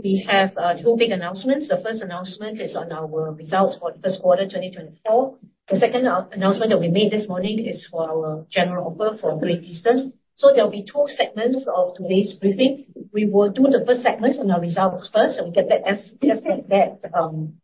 We have two big announcements. The first announcement is on our results for the first quarter 2024. The second announcement that we made this morning is for our general offer for Great Eastern. So there'll be two segments of today's briefing. We will do the first segment on our results first, and we get that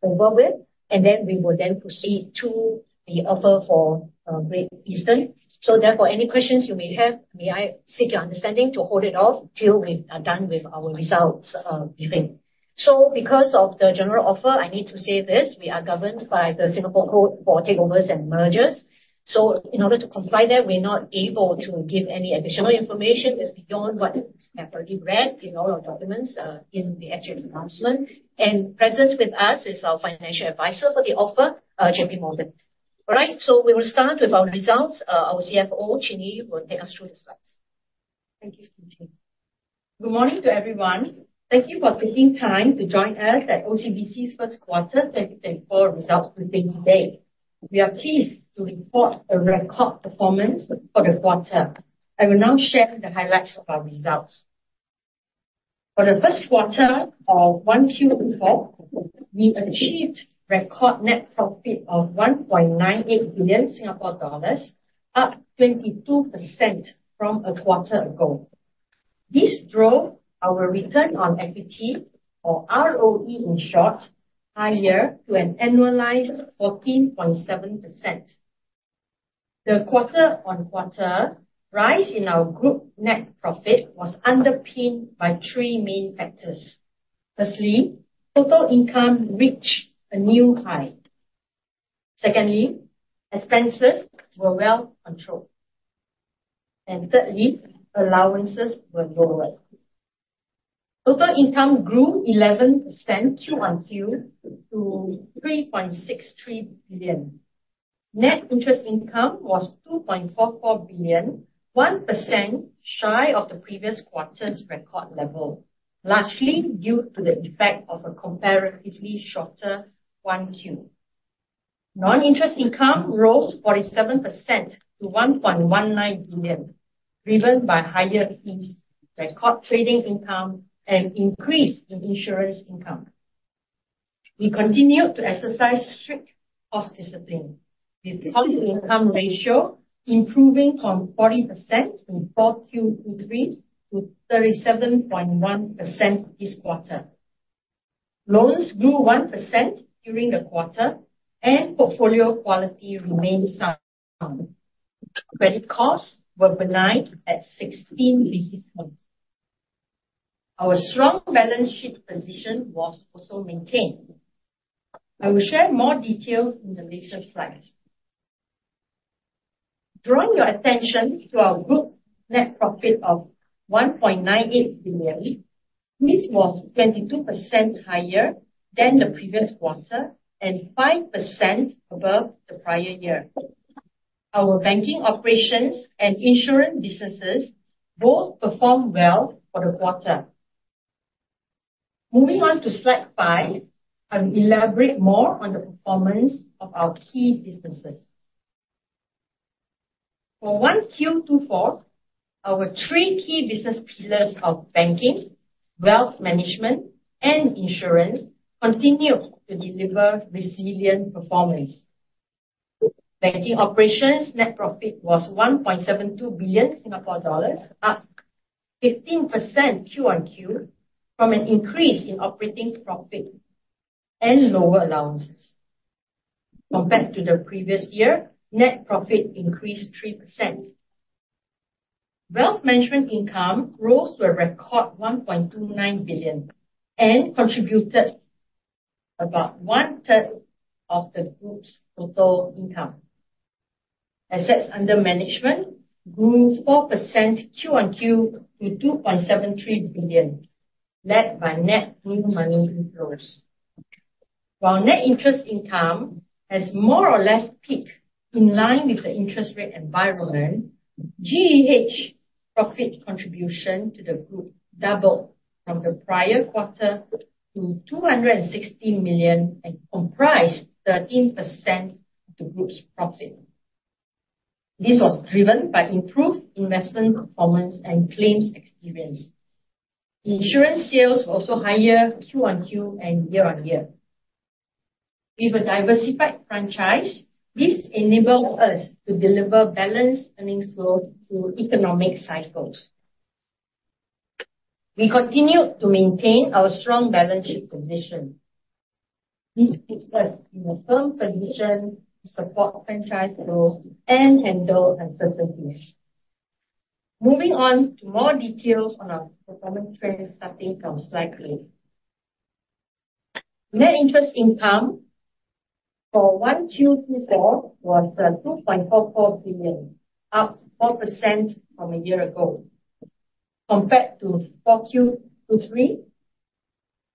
over with, and then we will proceed to the offer for Great Eastern. So therefore, any questions you may have, may I seek your understanding to hold it off till we are done with our results briefing. So because of the general offer, I need to say this: we are governed by the Singapore Code on Takeovers and Mergers. So in order to comply there, we're not able to give any additional information. It's beyond what we have already read in all our documents in the actual announcement. Present with us is our financial advisor for the offer, J.P. Morgan. All right, we will start with our results. Our CFO, Chin Yee, will take us through the slides. Thank you, Chin Yee. Good morning to everyone. Thank you for taking time to join us at OCBC's first quarter 2024 results briefing today. We are pleased to report a record performance for the quarter. I will now share the highlights of our results. For the first quarter of 1Q24, we achieved record net profit of 1.98 billion Singapore dollars, up 22% from a quarter ago. This drove our return on equity, or ROE in short, higher to an annualized 14.7%. The quarter-on-quarter rise in our group net profit was underpinned by three main factors. Firstly, total income reached a new high. Secondly, expenses were well controlled. Thirdly, allowances were lower. Total income grew 11% Q on Q to 3.63 billion. Net interest income was 2.44 billion, 1% shy of the previous quarter's record level, largely due to the effect of a comparatively shorter 1Q. Non-interest income rose 47% to 1.19 billion, driven by higher fees, record trading income, and an increase in insurance income. We continued to exercise strict cost discipline, with cost-to-income ratio improving from 40% in 4Q2023 to 37.1% this quarter. Loans grew 1% during the quarter, and portfolio quality remained sound. Credit costs were benign at 16 basis points. Our strong balance sheet position was also maintained. I will share more details in the later slides. Drawing your attention to our group net profit of 1.98 billion, this was 22% higher than the previous quarter and 5% above the prior year. Our banking operations and insurance businesses both performed well for the quarter. Moving on to slide 5, I will elaborate more on the performance of our key businesses. For 1Q2024, our three key business pillars of banking, wealth management, and insurance continued to deliver resilient performance. Banking operations net profit was 1.72 billion Singapore dollars, up 15% Q on Q from an increase in operating profit and lower allowances. Compared to the previous year, net profit increased 3%. Wealth management income rose to a record 1.29 billion and contributed about one-third of the group's total income. Assets under management grew 4% Q on Q to 2.73 billion, led by net new money inflows. While net interest income has more or less peaked in line with the interest rate environment, GEH profit contribution to the group doubled from the prior quarter to 260 million and comprised 13% of the group's profit. This was driven by improved investment performance and claims experience. Insurance sales were also higher Q on Q and year on year. With a diversified franchise, this enabled us to deliver balanced earnings growth through economic cycles. We continued to maintain our strong balance sheet position. This puts us in a firm position to support franchise growth and handle uncertainties. Moving on to more details on our performance trends, starting from slide 3. Net interest income for 1Q 2024 was 2.44 billion, up 4% from a year ago. Compared to 4Q 2023,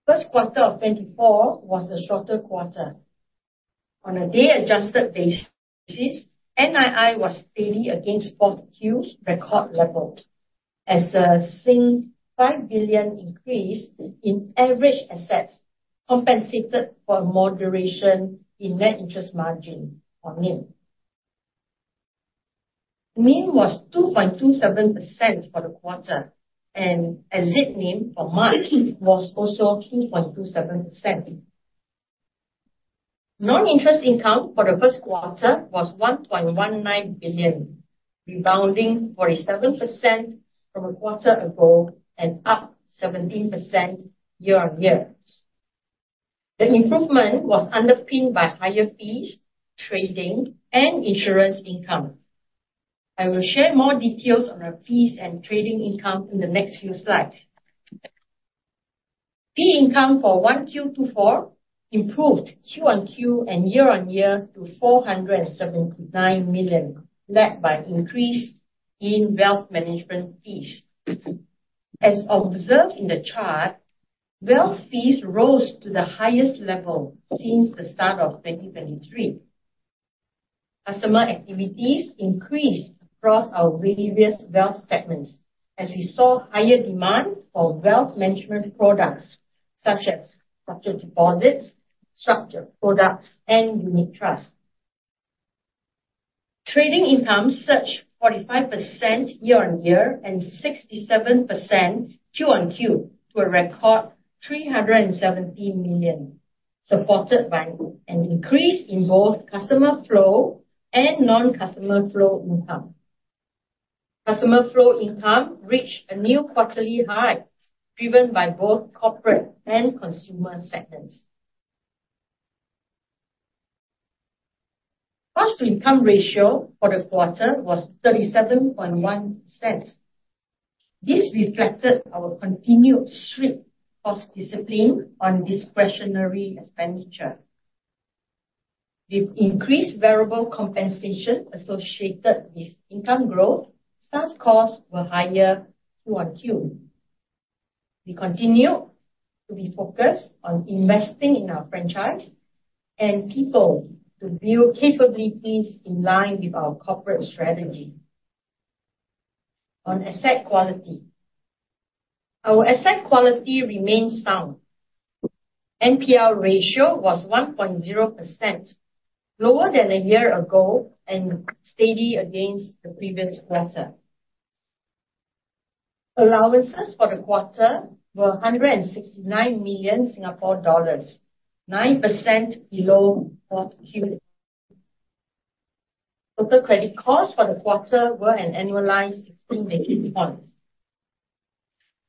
the first quarter of 2024 was a shorter quarter. On a day-adjusted basis, NII was steady against 4Q 2023's record level, as a surging 5 billion increase in average assets compensated for a moderation in net interest margin on NIM. NIM was 2.27% for the quarter, and as at end of March, it was also 2.27%. Non-interest income for the first quarter was 1.19 billion, rebounding 47% from a quarter ago and up 17% year-on-year. The improvement was underpinned by higher fees, trading, and insurance income. I will share more details on our fees and trading income in the next few slides. Fee income for 1Q24 improved Q-over-Q and year-over-year to 479 million, led by an increase in wealth management fees. As observed in the chart, wealth fees rose to the highest level since the start of 2023. Customer activities increased across our various wealth segments, as we saw higher demand for wealth management products such as structured deposits, structured products, and unit trusts. Trading income surged 45% year-over-year and 67% Q-over-Q to a record 370 million, supported by an increase in both customer flow and non-customer flow income. Customer flow income reached a new quarterly high, driven by both corporate and consumer segments. Cost-to-income ratio for the quarter was 37.1%. This reflected our continued strict cost discipline on discretionary expenditure. With increased variable compensation associated with income growth, staff costs were higher Q-over-Q. We continued to be focused on investing in our franchise and people to build capabilities in line with our corporate strategy. On asset quality, our asset quality remained sound. NPL ratio was 1.0%, lower than a year ago and steady against the previous quarter. Allowances for the quarter were 169 million Singapore dollars, 9% below 4Q. Total credit costs for the quarter were an annualized 16 basis points.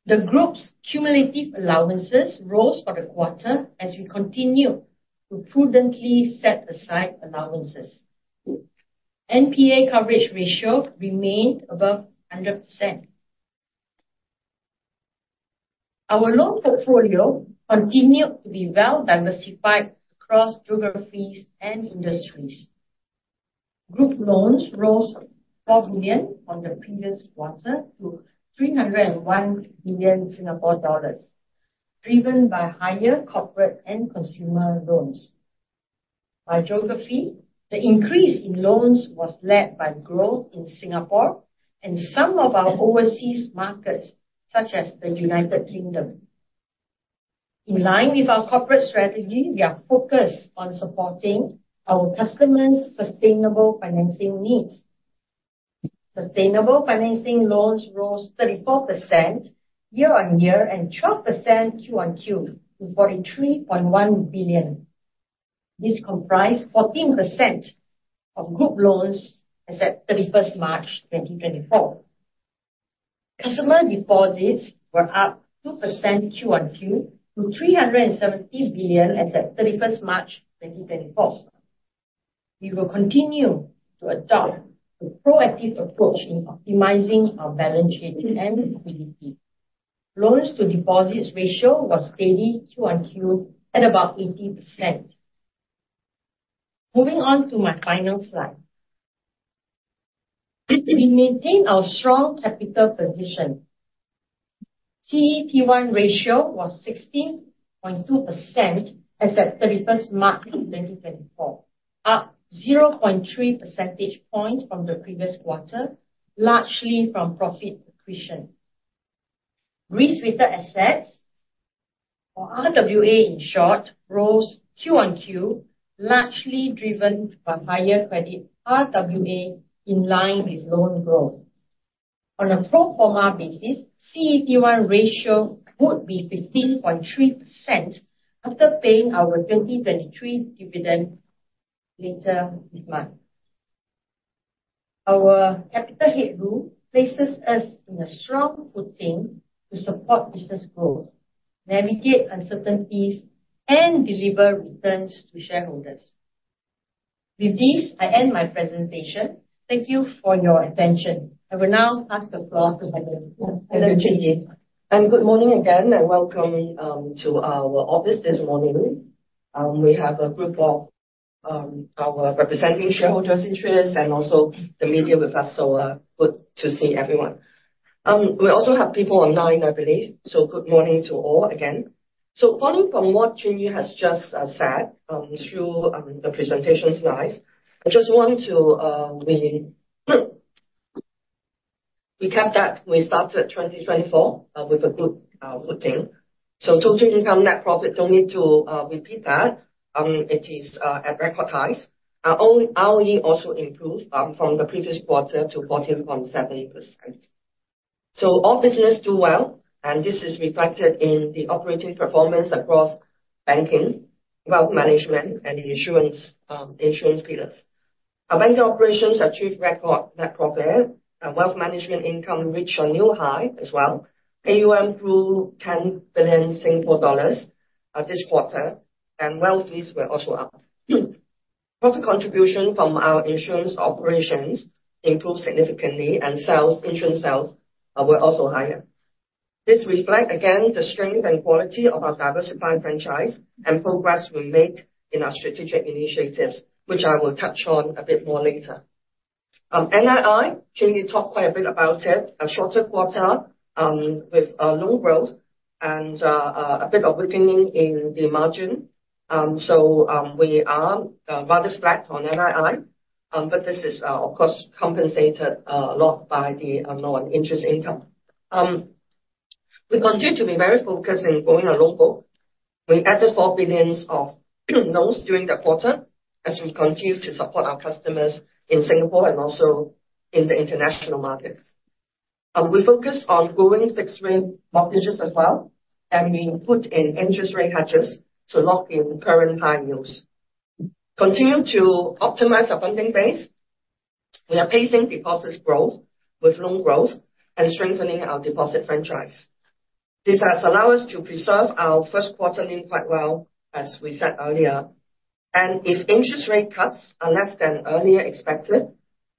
The group's cumulative allowances rose for the quarter as we continued to prudently set aside allowances. NPA coverage ratio remained above 100%. Our loan portfolio continued to be well diversified across geographies and industries. Group loans rose 4 billion from the previous quarter to 301 billion Singapore dollars, driven by higher corporate and consumer loans. By geography, the increase in loans was led by growth in Singapore and some of our overseas markets, such as the United Kingdom. In line with our corporate strategy, we are focused on supporting our customers' sustainable financing needs. Sustainable financing loans rose 34% year-over-year and 12% quarter-over-quarter to SGD 43.1 billion. This comprised 14% of group loans as of 31st March 2024. Customer deposits were up 2% quarter-over-quarter to 370 billion as of 31st March 2024. We will continue to adopt a proactive approach in optimizing our balance sheet and liquidity. Loans-to-deposits ratio was steady quarter-over-quarter at about 80%. Moving on to my final slide. We maintain our strong capital position. CET1 ratio was 16.2% as of 31st March 2024, up 0.3 percentage points from the previous quarter, largely from profit accretion. Risk-weighted assets, or RWA in short, rose quarter-over-quarter, largely driven by higher credit RWA in line with loan growth. On a pro forma basis, CET1 ratio would be 15.3% after paying our 2023 dividend later this month. Our capital headroom places us in a strong footing to support business growth, navigate uncertainties, and deliver returns to shareholders. With this, I end my presentation. Thank you for your attention. I will now pass the floor to Helen Chin Yee. Good morning again, and welcome to our office this morning. We have a group of our representing shareholders' interests and also the media with us, so good to see everyone. We also have people online, I believe, so good morning to all again. So following from what Ching Yu has just said through the presentation slides, I just want to. Recap that we started 2024 with a good footing. So total income net profit don't need to repeat that, it is at record highs. All ROE also improved from the previous quarter to 14.7%. So all business do well, and this is reflected in the operating performance across banking, wealth management, and insurance pillars. Our banking operations achieved record net profit, wealth management income reached a new high as well. AUM grew 10 billion Singapore dollars this quarter, and wealth fees were also up. Profit contribution from our insurance operations improved significantly, and insurance sales were also higher. This reflects, again, the strength and quality of our diversified franchise and progress we made in our strategic initiatives, which I will touch on a bit more later. NII, Ching Yu talked quite a bit about it, a shorter quarter with loan growth and a bit of weakening in the margin. So, we are rather flat on NII, but this is, of course, compensated a lot by the non-interest income. We continue to be very focused on growing our loan book. We added 4 billion of loans during the quarter as we continue to support our customers in Singapore and also in the international markets. We focus on growing fixed-rate mortgages as well, and we put in interest rate hedges to lock in current high yields. Continue to optimize our funding base. We are pacing deposits growth with loan growth and strengthening our deposit franchise. This has allowed us to preserve our first quarter NIM quite well, as we said earlier. If interest rate cuts are less than earlier expected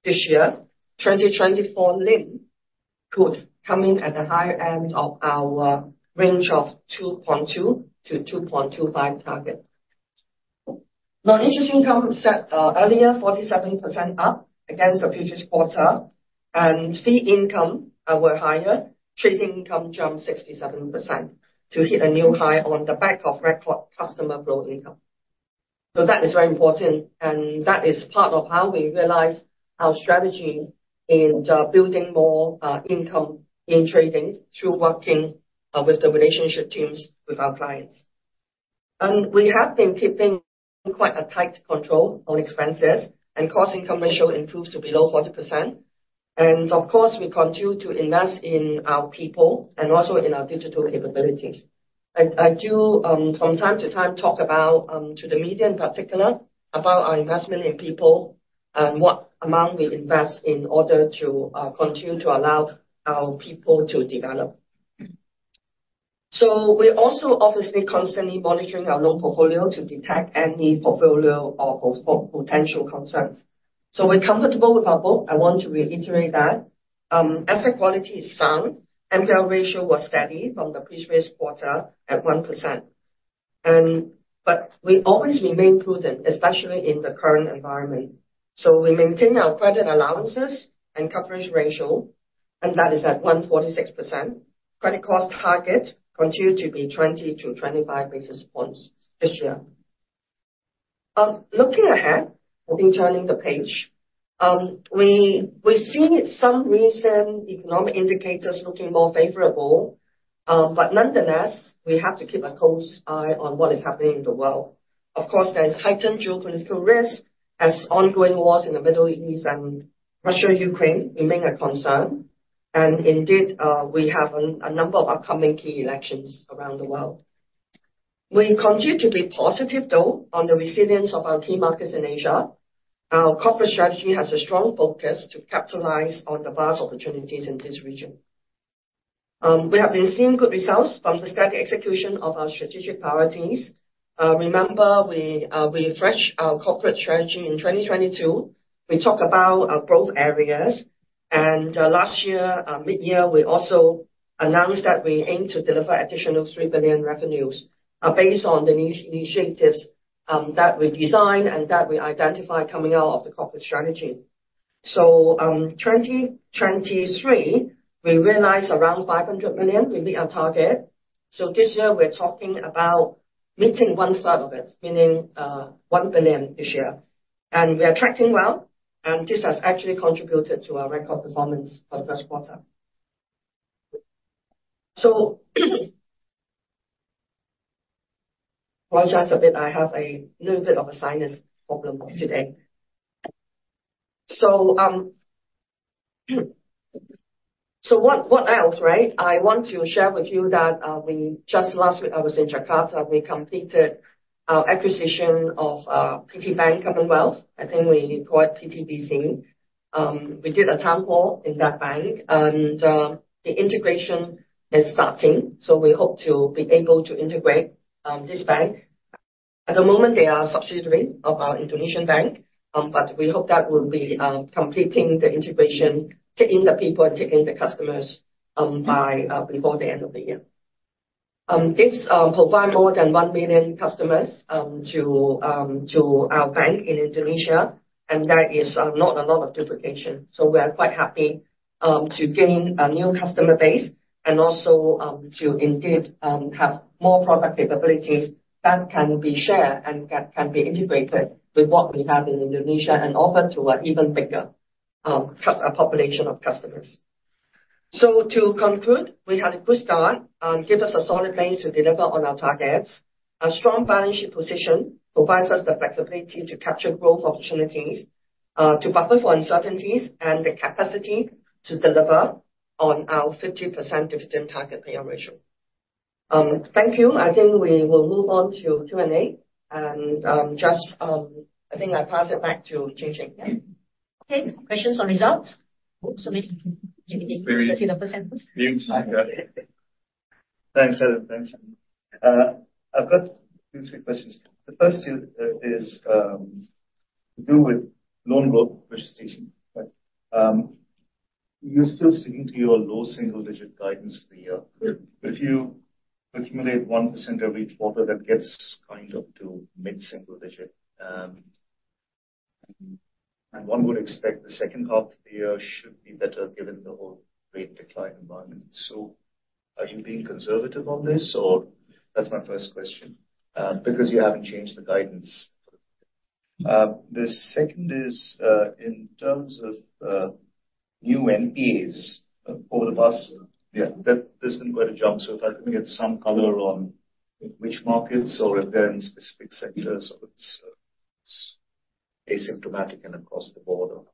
this year, 2024 NIM could come in at the higher end of our range of 2.2%-2.25% target. Non-interest income set earlier 47% up against the previous quarter, and fee income were higher. Trading income jumped 67% to hit a new high on the back of record customer flow income. So that is very important, and that is part of how we realize our strategy in building more income in trading through working with the relationship teams with our clients. We have been keeping quite a tight control on expenses, and cost-to-income ratio improved to below 40%. And of course, we continue to invest in our people and also in our digital capabilities. I, I do, from time to time talk about, to the media in particular, about our investment in people and what amount we invest in order to, continue to allow our people to develop. We're also obviously constantly monitoring our loan portfolio to detect any portfolio or potential concerns. We're comfortable with our book. I want to reiterate that. Asset quality is sound. NPL ratio was steady from the previous quarter at 1%. But we always remain prudent, especially in the current environment. We maintain our credit allowances and coverage ratio, and that is at 146%. Credit cost target continued to be 20-25 basis points this year. Looking ahead, I think turning the page, we see some recent economic indicators looking more favorable, but nonetheless, we have to keep a close eye on what is happening in the world. Of course, there's heightened geopolitical risk as ongoing wars in the Middle East and Russia-Ukraine remain a concern. And indeed, we have a number of upcoming key elections around the world. We continue to be positive, though, on the resilience of our key markets in Asia. Our corporate strategy has a strong focus to capitalize on the vast opportunities in this region. We have been seeing good results from the steady execution of our strategic priorities. Remember we refreshed our corporate strategy in 2022. We talked about growth areas. Last year, mid-year, we also announced that we aim to deliver additional 3 billion revenues, based on the initiatives, that we design and that we identify coming out of the corporate strategy. 2023, we realized around 500 million. We meet our target. This year, we're talking about meeting one third of it, meaning, 1 billion this year. And we are tracking well, and this has actually contributed to our record performance for the first quarter. I apologize a bit. I have a little bit of a sinus problem today. So what, what else, right? I want to share with you that, we just last week, I was in Jakarta. We completed our acquisition of, PT Bank Commonwealth. I think we call it PTBC. We did a town hall in that bank, and, the integration is starting. So we hope to be able to integrate, this bank. At the moment, they are a subsidiary of our Indonesian bank, but we hope that will be completing the integration, taking the people and taking the customers, by before the end of the year. This provides more than 1 million customers to our bank in Indonesia, and that is not a lot of duplication. So we are quite happy to gain a new customer base and also to indeed have more product capabilities that can be shared and that can be integrated with what we have in Indonesia and offer to an even bigger customer population of customers. So to conclude, we had a good start, gave us a solid base to deliver on our targets. A strong balance sheet position provides us the flexibility to capture growth opportunities, to buffer for uncertainties, and the capacity to deliver on our 50% dividend target payout ratio. Thank you. I think we will move on to Q&A and, just, I think I pass it back to Chin Yee. Yeah. Okay. Questions on results? Oh, so maybe Jimmy can let you know first and first. Thanks, Helen. Thanks, Ching. I've got 2, 3 questions. The first is, to do with loan growth, which is decent, right? You're still sticking to your low single-digit guidance for the year. If you accumulate 1% every quarter, that gets kind of to mid-single digit, and one would expect the second half of the year should be better given the whole rate decline environment. So are you being conservative on this, or? That's my first question, because you haven't changed the guidance for the quarter. The second is, in terms of, new NPAs over the past year, there's been quite a jump. So if I can get some color on which markets or if they're in specific sectors, or it's, it's systemic and across the board or not,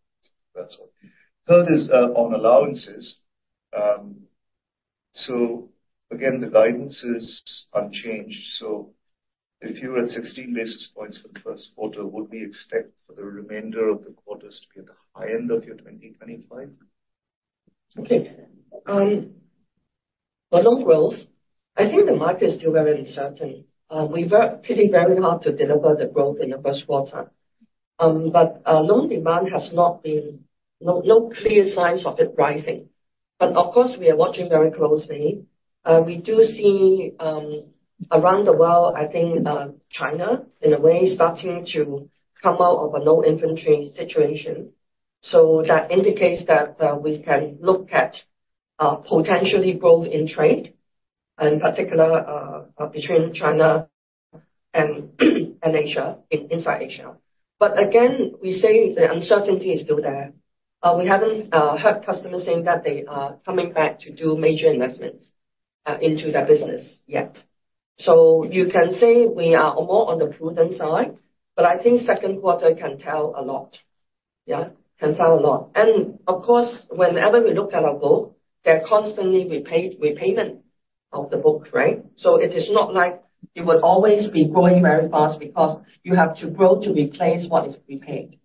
that sort of. The third is, on allowances. So again, the guidance is unchanged. If you were at 16 basis points for the first quarter, would we expect for the remainder of the quarters to be at the high end of your 2025? Okay. For loan growth, I think the market is still very uncertain. We're working very hard to deliver the growth in the first quarter. But loan demand has not been—no, no clear signs of it rising. But of course, we are watching very closely. We do see, around the world, I think, China in a way starting to come out of a non-inflationary situation. So that indicates that we can look at potentially growth in trade, in particular, between China and Asia inside Asia. But again, we say the uncertainty is still there. We haven't heard customers saying that they are coming back to do major investments into their business yet. So you can say we are more on the prudent side, but I think second quarter can tell a lot. Yeah, can tell a lot. Of course, whenever we look at our book, there are constantly repay repayment of the book, right? So it is not like it would always be growing very fast because you have to grow to replace what is repaid.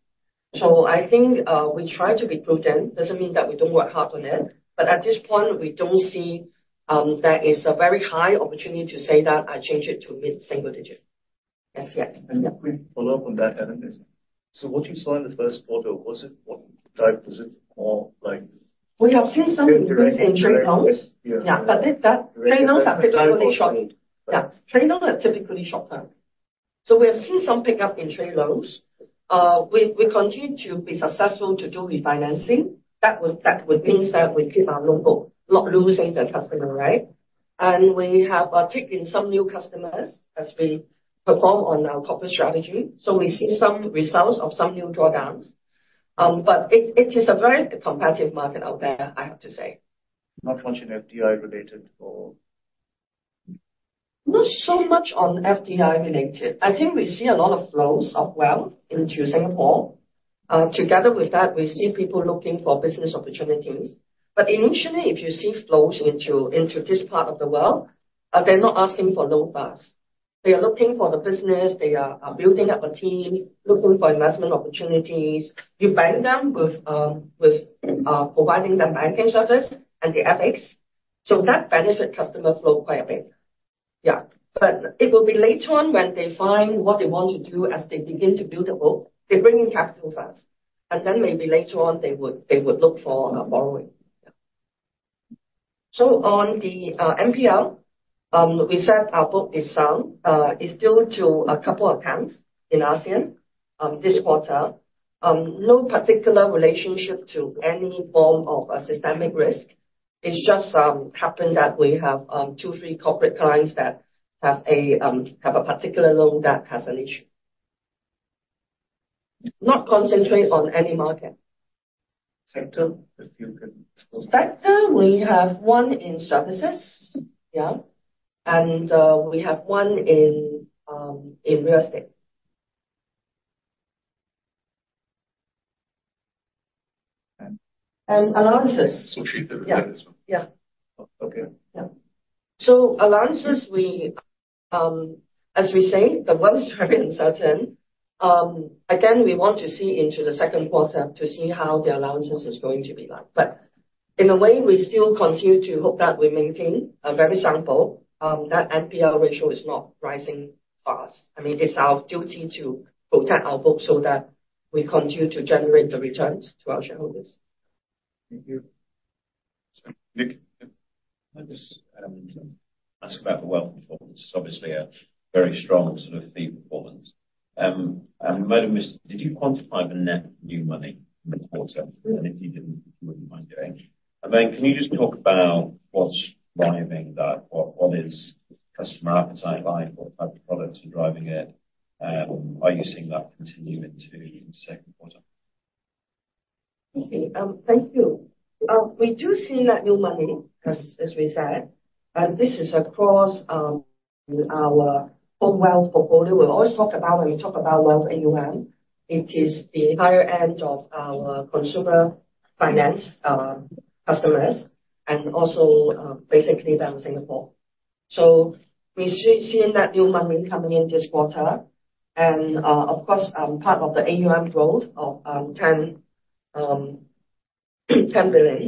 So I think we try to be prudent. Doesn't mean that we don't work hard on it. But at this point, we don't see there is a very high opportunity to say that I change it to mid-single digit. That's it. And a quick follow-up on that, Helen. So what you saw in the first quarter, was it what type? Was it more like? We have seen some increase in trade loans. Yeah, but trade loans are typically short-term. Yeah, trade loans are typically short-term. So we have seen some pickup in trade loans. We continue to be successful to do refinancing. That would mean that we keep our loan book, not losing the customer, right? And we have taken some new customers as we perform on our corporate strategy. So we see some results of some new drawdowns. But it is a very competitive market out there, I have to say. Not much on FDI-related or? Not so much on FDI-related. I think we see a lot of flows of wealth into Singapore. Together with that, we see people looking for business opportunities. But initially, if you see flows into this part of the world, they're not asking for loans per se. They are looking for the business. They are building up a team, looking for investment opportunities. You bank them with providing them banking service and the FX. So that benefits customer flow quite a bit. Yeah. But it will be later on when they find what they want to do as they begin to build the book, they bring in capital first. And then maybe later on, they would look for borrowing. Yeah. So on the NPL, we said our book is sound. It's due to a couple of accounts in ASEAN this quarter. No particular relationship to any form of systemic risk. It's just happened that we have 2, 3 corporate clients that have a particular loan that has an issue. Not concentrated on any market. Sector, if you can? Sector, we have one in services. Yeah. And we have one in real estate. And allowances. So she didn't say this one? Yeah. Yeah. Okay. Yeah. So allowances, we, as we say, the world is very uncertain. Again, we want to see into the second quarter to see how the allowances is going to be like. But in a way, we still continue to hope that we maintain a very stable, that NPL ratio is not rising fast. I mean, it's our duty to protect our book so that we continue to generate the returns to our shareholders. Thank you. Nick? Yeah? I just ask about the wealth performance. It's obviously a very strong sort of fee performance. Helen, Chin Yee, did you quantify the net new money in the quarter? And if you didn't, you wouldn't mind doing. And then can you just talk about what's driving that? What is customer appetite like? What type of products are driving it? Are you seeing that continue into the second quarter? Okay. Thank you. We do see net new money, as, as we said. And this is across our home wealth portfolio. We always talk about when we talk about wealth AUM, it is the higher end of our consumer finance customers and also basically down in Singapore. So we're seeing net new money coming in this quarter. And, of course, part of the AUM growth of SGD 10 billion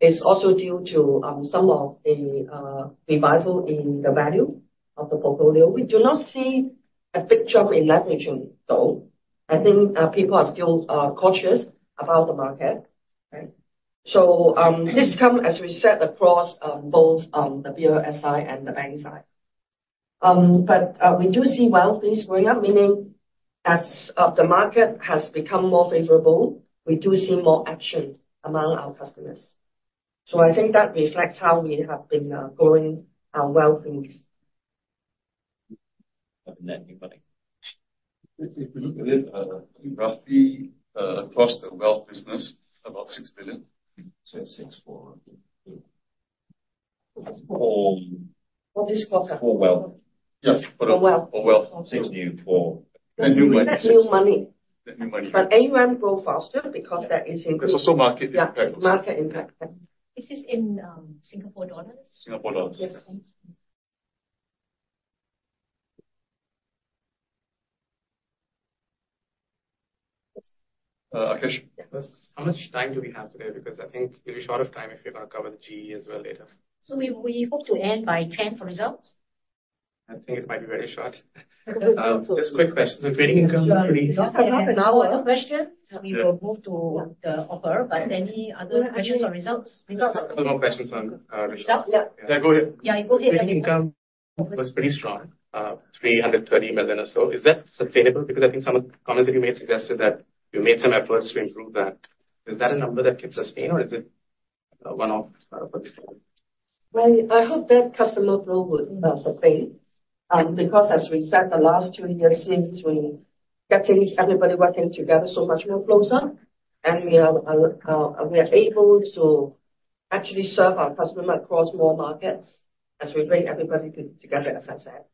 is also due to some of the revival in the value of the portfolio. We do not see a big jump in leveraging, though. I think people are still cautious about the market, right? So this come, as we said, across both the BOS and the bank side. But we do see wealth is growing up, meaning as the market has become more favorable, we do see more action among our customers. I think that reflects how we have been growing our wealth in this. Have a net new money. If you look a bit, roughly, across the wealth business, about 6 billion. 6 for what? For. For this quarter. For wealth. Yes. For the. For wealth. For wealth. Net new for. Net New Money. Net new money. Net new money. But AUM grow faster because there is increase. There's also market impact. Yeah, market impact. Is this in Singapore dollars? Singapore dollars. Yes. Aakash? Yeah. How much time do we have today? Because I think we'll be short of time if you're going to cover the GE as well later. So we hope to end by 10:00 for results? I think it might be very short. Just quick questions. So trading income pretty. Not half an hour. Another question. We will move to the offer. Any other questions or results? A couple more questions on results. Results? Yeah. Yeah, go ahead. Yeah, go ahead. Trading income was pretty strong, 330 million or so. Is that sustainable? Because I think some of the comments that you made suggested that you made some efforts to improve that. Is that a number that can sustain, or is it, one-off for this quarter? Well, I hope that customer flow would sustain, because as we said, the last two years seems we're getting everybody working together so much more closer, and we are able to actually serve our customer across more markets as we bring everybody together, as I said.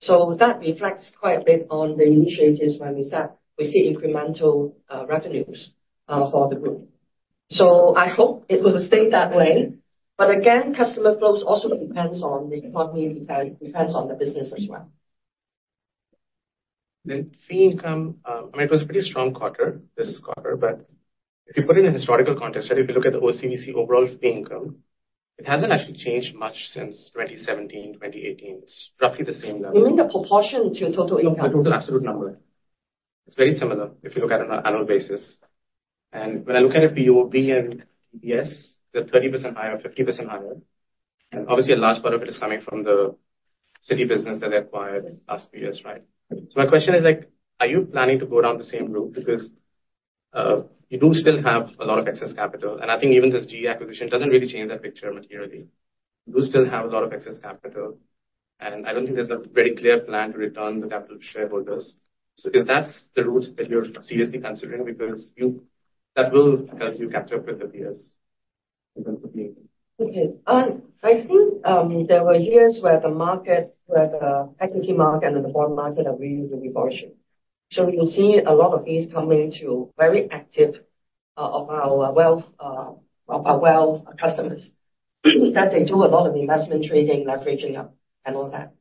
So that reflects quite a bit on the initiatives when we said we see incremental revenues for the group. So I hope it will stay that way. But again, customer flows also depends on the economy, depends on the business as well. Fee income, I mean, it was a pretty strong quarter, this quarter. But if you put it in a historical context, right, if you look at the OCBC overall fee income, it hasn't actually changed much since 2017, 2018. It's roughly the same level. You mean the proportion to total income? The total absolute number. It's very similar if you look at it on an annual basis. And when I look at it, UOB and DBS, they're 30% higher, 50% higher. And obviously, a large part of it is coming from the Citi business that they acquired last few years, right? So my question is, like, are you planning to go down the same route? Because, you do still have a lot of excess capital. And I think even this GE acquisition doesn't really change that picture materially. You do still have a lot of excess capital. And I don't think there's a very clear plan to return the capital to shareholders. So if that's the route that you're seriously considering, because you that will help you catch up with the peers in terms of fee income. Okay. I think, there were years where the market where the equity market and the bond market are really, really volatile. So you'll see a lot of these coming to very active, of our wealth, of our wealth customers, that they do a lot of investment trading, leveraging up, and all that.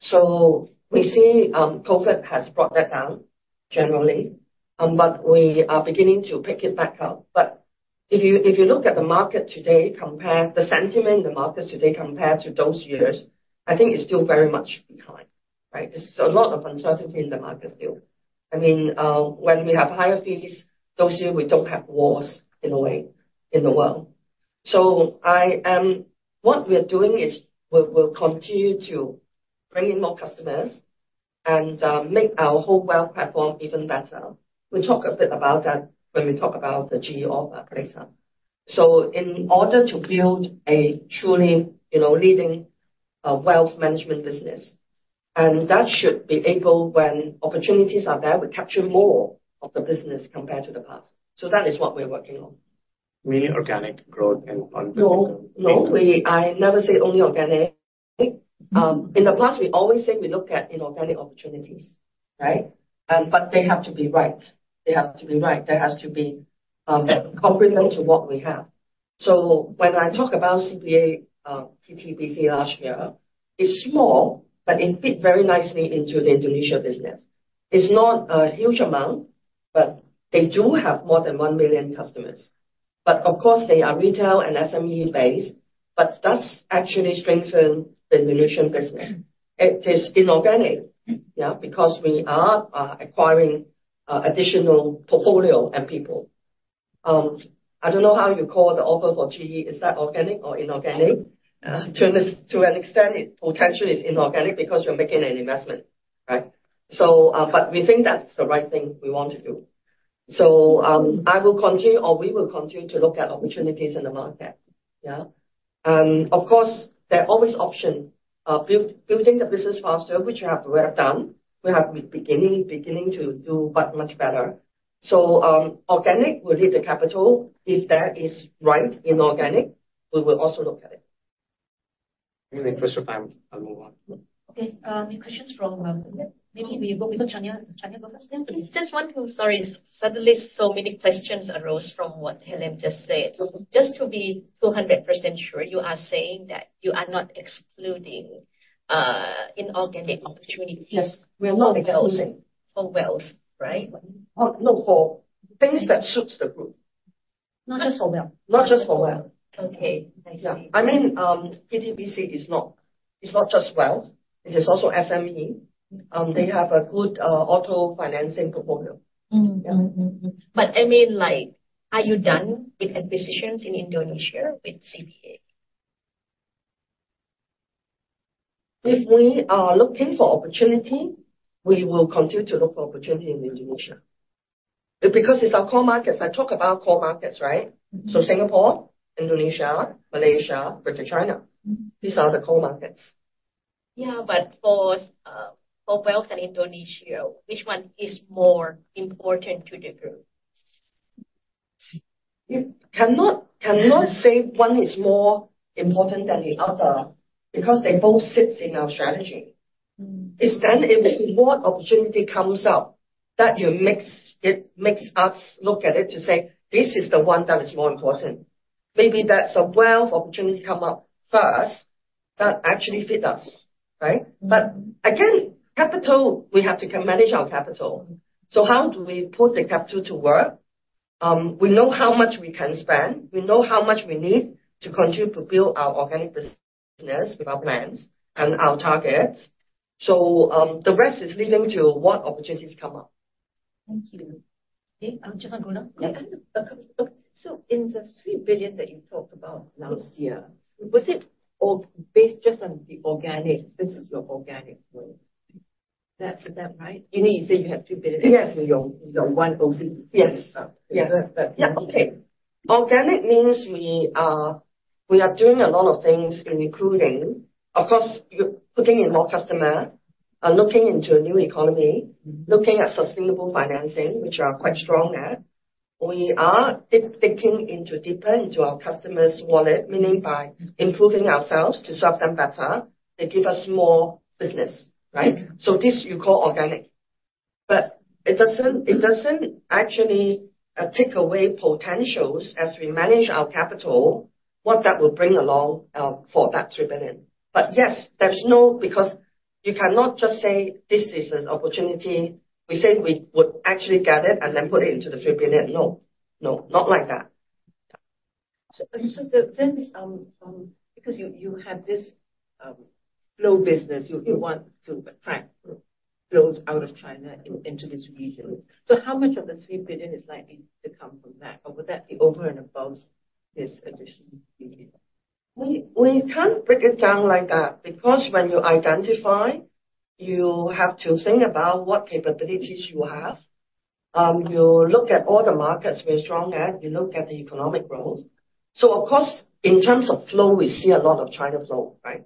So we see, COVID has brought that down generally, but we are beginning to pick it back up. But if you, if you look at the market today, compare the sentiment in the markets today compared to those years, I think it's still very much behind, right? It's a lot of uncertainty in the market still. I mean, when we have higher fees, those years, we don't have wars in a way in the world. So I am what we're doing is we'll, we'll continue to bring in more customers and, make our whole wealth platform even better. We'll talk a bit about that when we talk about the GE offer later. So in order to build a truly, you know, leading, wealth management business, and that should be able when opportunities are there, we capture more of the business compared to the past. So that is what we're working on. Meaning organic growth and unpredictable? No, no. We, I never say only organic. In the past, we always say we look at inorganic opportunities, right? But they have to be right. They have to be right. There has to be complement to what we have. So when I talk about PTBC last year, it's small, but it fit very nicely into the Indonesia business. It's not a huge amount, but they do have more than one million customers. But of course, they are retail and SME-based, but that's actually strengthening the Indonesian business. It is inorganic, yeah, because we are acquiring additional portfolio and people. I don't know how you call the offer for GE. Is that organic or inorganic? To an extent, it potentially is inorganic because you're making an investment, right? So, but we think that's the right thing we want to do. I will continue or we will continue to look at opportunities in the market. Yeah. Of course, there are always options, building the business faster, which we have done. We have beginning to do but much better. So, organic will lead the capital. If there is right inorganic, we will also look at it. Really crucial time. I'll move on. Okay. Questions from wealth? Maybe we go before Chanya. Chanya goes first. Yeah, please. Just one question. Sorry. Suddenly, so many questions arose from what Helen just said. Just to be 200% sure, you are saying that you are not excluding, inorganic opportunities? Yes. We are not excluding. For wealth, right? Oh, no, for things that suit the group. Not just for wealth? Not just for wealth. Okay. I see. Yeah. I mean, PTBC is not—it's not just wealth. It is also SME. They have a good auto-financing portfolio. Yeah. I mean, like, are you done with acquisitions in Indonesia with CBA? If we are looking for opportunity, we will continue to look for opportunity in Indonesia. Because it's our core markets. I talk about core markets, right? So Singapore, Indonesia, Malaysia, Greater China. These are the core markets. Yeah. But for wealth and Indonesia, which one is more important to the group? You cannot, cannot say one is more important than the other because they both sit in our strategy. It's then if what opportunity comes up that you mix it, mix us, look at it to say, "This is the one that is more important." Maybe that's a wealth opportunity come up first that actually fit us, right? But again, capital, we have to can manage our capital. So how do we put the capital to work? We know how much we can spend. We know how much we need to continue to build our organic business with our plans and our targets. So, the rest is leaving to what opportunities come up. Thank you. Okay. I'm just going to go now. Yeah. Okay. So in the 3 billion that you talked about last year, was it all based just on the organic? This is your organic growth. Is that right? You mean you said you had 3 billion? Yes. In your one OCBC? Yes. Yes. Okay. Organic means we are we are doing a lot of things, including, of course, you're putting in more customer, looking into a new economy, looking at sustainable financing, which we are quite strong at. We are digging into deeper into our customer's wallet, meaning by improving ourselves to serve them better, they give us more business, right? So this you call organic. But it doesn't, it doesn't actually, take away potentials as we manage our capital, what that will bring along, for that 3 billion. But yes, there's no because you cannot just say, "This is an opportunity." We say we would actually get it and then put it into the SGD 3 billion. No, no, not like that. So then, because you have this flow business, you want to attract flows out of China into this region. So how much of the 3 billion is likely to come from that? Or would that be over and above this additional 3 billion? We, we can't break it down like that because when you identify, you have to think about what capabilities you have. You look at all the markets we're strong at. You look at the economic growth. So of course, in terms of flow, we see a lot of China flow, right?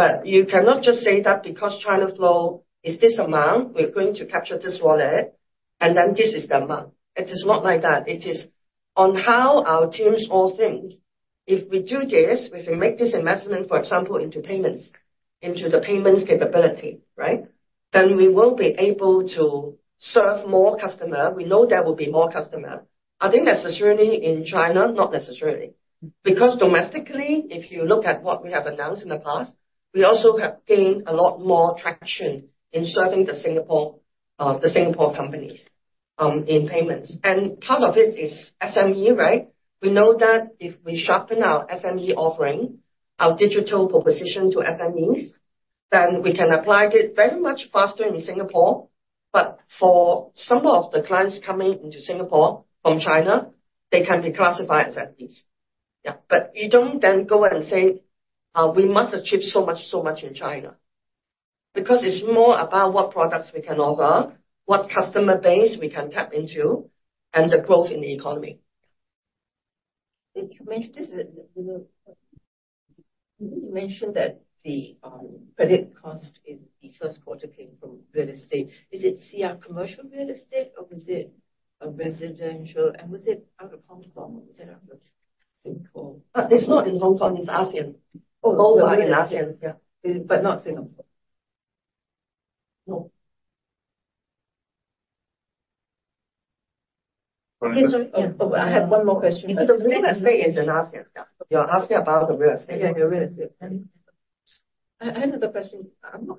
But you cannot just say that because China flow is this amount, we're going to capture this wallet, and then this is the amount. It is not like that. It is on how our teams all think. If we do this, if we make this investment, for example, into payments, into the payments capability, right, then we will be able to serve more customer. We know there will be more customer. I think necessarily in China, not necessarily. Because domestically, if you look at what we have announced in the past, we also have gained a lot more traction in serving the Singapore, the Singapore companies, in payments. And part of it is SME, right? We know that if we sharpen our SME offering, our digital proposition to SMEs, then we can apply it very much faster in Singapore. But for some of the clients coming into Singapore from China, they can be classified as SMEs. Yeah. But you don't then go and say, we must achieve so much, so much in China. Because it's more about what products we can offer, what customer base we can tap into, and the growth in the economy. You mentioned this a little. You mentioned that the credit cost in the first quarter came from real estate. Is it commercial real estate, or was it residential? And was it out of Hong Kong, or was it out of Singapore? It's not in Hong Kong. It's ASEAN. Oh, ASEAN. All in ASEAN, yeah, but not Singapore. No. Sorry. I have one more question. The real estate is in ASEAN. Yeah. You're asking about the real estate. Yeah, the real estate. I have another question. I'm not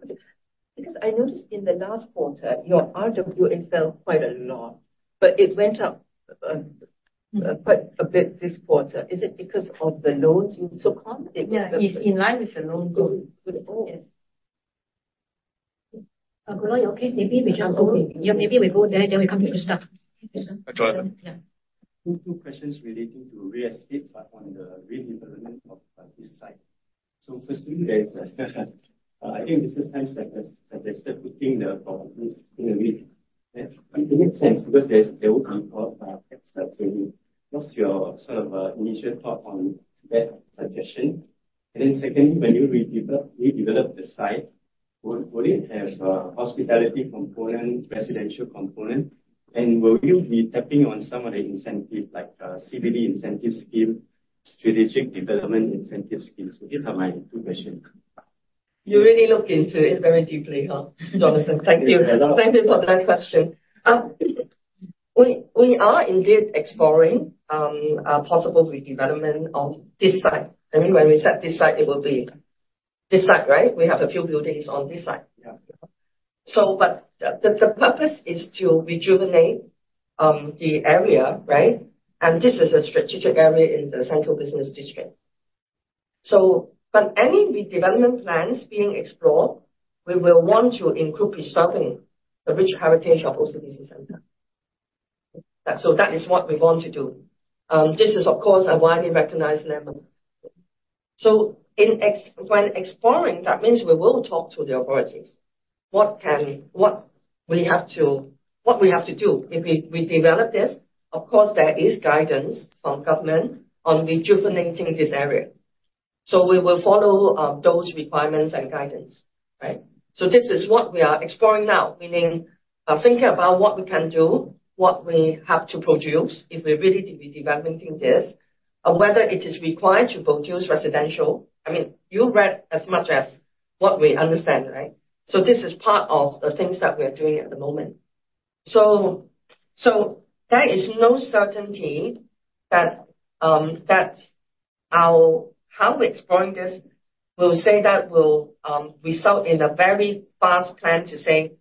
because I noticed in the last quarter, your RWA fell quite a lot, but it went up quite a bit this quarter. Is it because of the loans you took on? Yeah. It's in line with the loan goal. Oh. Okay. Maybe we just go yeah, maybe we go there. Then we come to Christophe. I'll join him. Yeah. Two questions relating to real estate, but on the redevelopment of this site. So firstly, I think this time suggested putting the property in a redevelopment. It makes sense because there will be called tax savings. What's your sort of initial thought on that suggestion? And then secondly, when you redevelop the site, would it have hospitality component, residential component, and will you be tapping on some of the incentives, like CBD incentive scheme, strategic development incentive scheme? So these are my two questions. You really look into it very deeply, huh, Jonathan? Thank you. Thank you for that question. We, we are indeed exploring a possible redevelopment of this site. I mean, when we said this site, it will be this site, right? We have a few buildings on this side. Yeah. So but the purpose is to rejuvenate the area, right? And this is a strategic area in the Central Business District. So but any redevelopment plans being explored, we will want to increase serving the rich heritage of OCBC Centre. So that is what we want to do. This is, of course, a widely recognized landmark. So in essence when exploring, that means we will talk to the authorities. What will we have to do? If we develop this, of course, there is guidance from government on rejuvenating this area. So we will follow those requirements and guidance, right? So this is what we are exploring now, meaning thinking about what we can do, what we have to produce if we really be redeveloping this, and whether it is required to produce residential. I mean, you read as much as what we understand, right? So this is part of the things that we are doing at the moment. So there is no certainty that our how we're exploring this will result in a very fast plan to say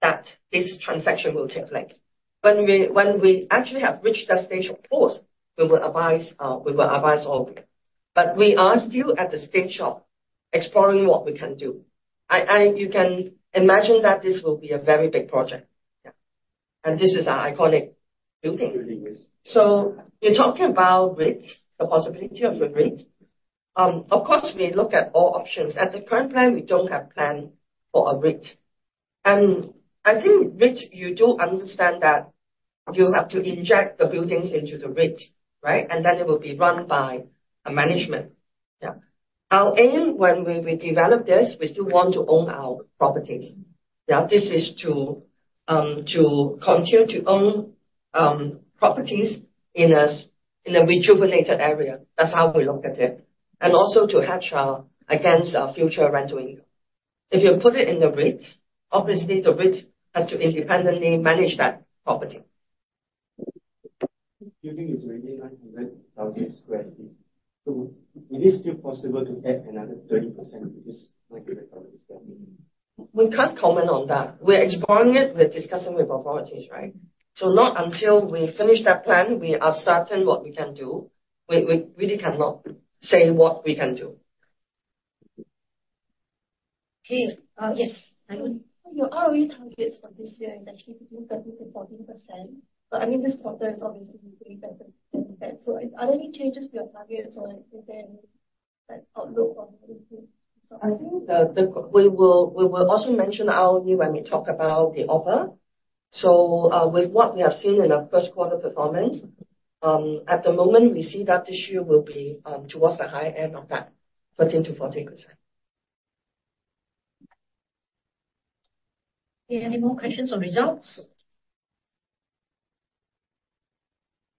that this transaction will take place. When we actually have reached that stage, of course, we will advise all of you. But we are still at the stage of exploring what we can do. You can imagine that this will be a very big project. Yeah. And this is our iconic building. Building this. So you're talking about REITs, the possibility of a REIT. Of course, we look at all options. At the current plan, we don't have planned for a REIT. And I think REIT, you do understand that you have to inject the buildings into the REIT, right? And then it will be run by a management. Yeah. Our aim when we develop this, we still want to own our properties. Yeah. This is to continue to own properties in a rejuvenated area. That's how we look at it. And also to hedge against our future rental income. If you put it in the REIT, obviously, the REIT has to independently manage that property. Building is really 900,000 sq ft. So it is still possible to add another 30% to this 900,000 sq ft? We can't comment on that. We're exploring it. We're discussing with authorities, right? So not until we finish that plan, we are certain what we can do. We really cannot say what we can do. Okay. Yes. I would. So your ROE targets for this year is actually between 30%-40%. But I mean, this quarter is obviously doing better than that. So are there any changes to your targets, or is there any, like, outlook on how this will result? I think, we will also mention ROE when we talk about the offer. So, with what we have seen in the first quarter performance, at the moment, we see that this year will be towards the high end of that 13%-40%. Any more questions or results?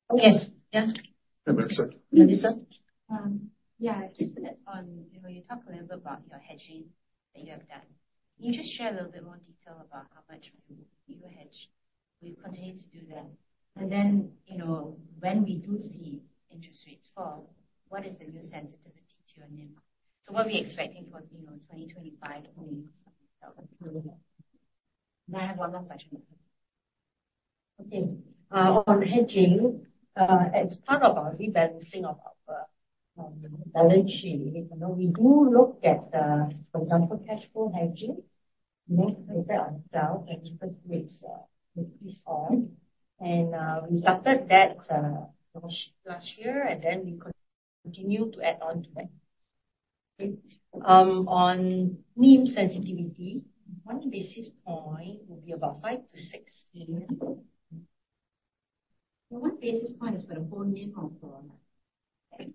Oh, yes. Yeah. Hey, Melissa. Melissa? Yeah. I just wanted to add on, you know, you talk a little bit about your hedging that you have done. Can you just share a little bit more detail about how much you hedge? Will you continue to do that? And then, you know, when we do see interest rates fall, what is the new sensitivity to your NIM? So what are we expecting for, you know, 2025 NIM? And I have one more question. Okay. On hedging, as part of our rebalancing of our balance sheet, you know, we do look at, for example, cash flow hedging. We make a budget ourselves, and first weeks, increase all. We started that last year, and then we continue to add on to that. Okay. On NIM sensitivity, one basis point will be about 5%-6%. One basis point is for the whole NIM or for, like?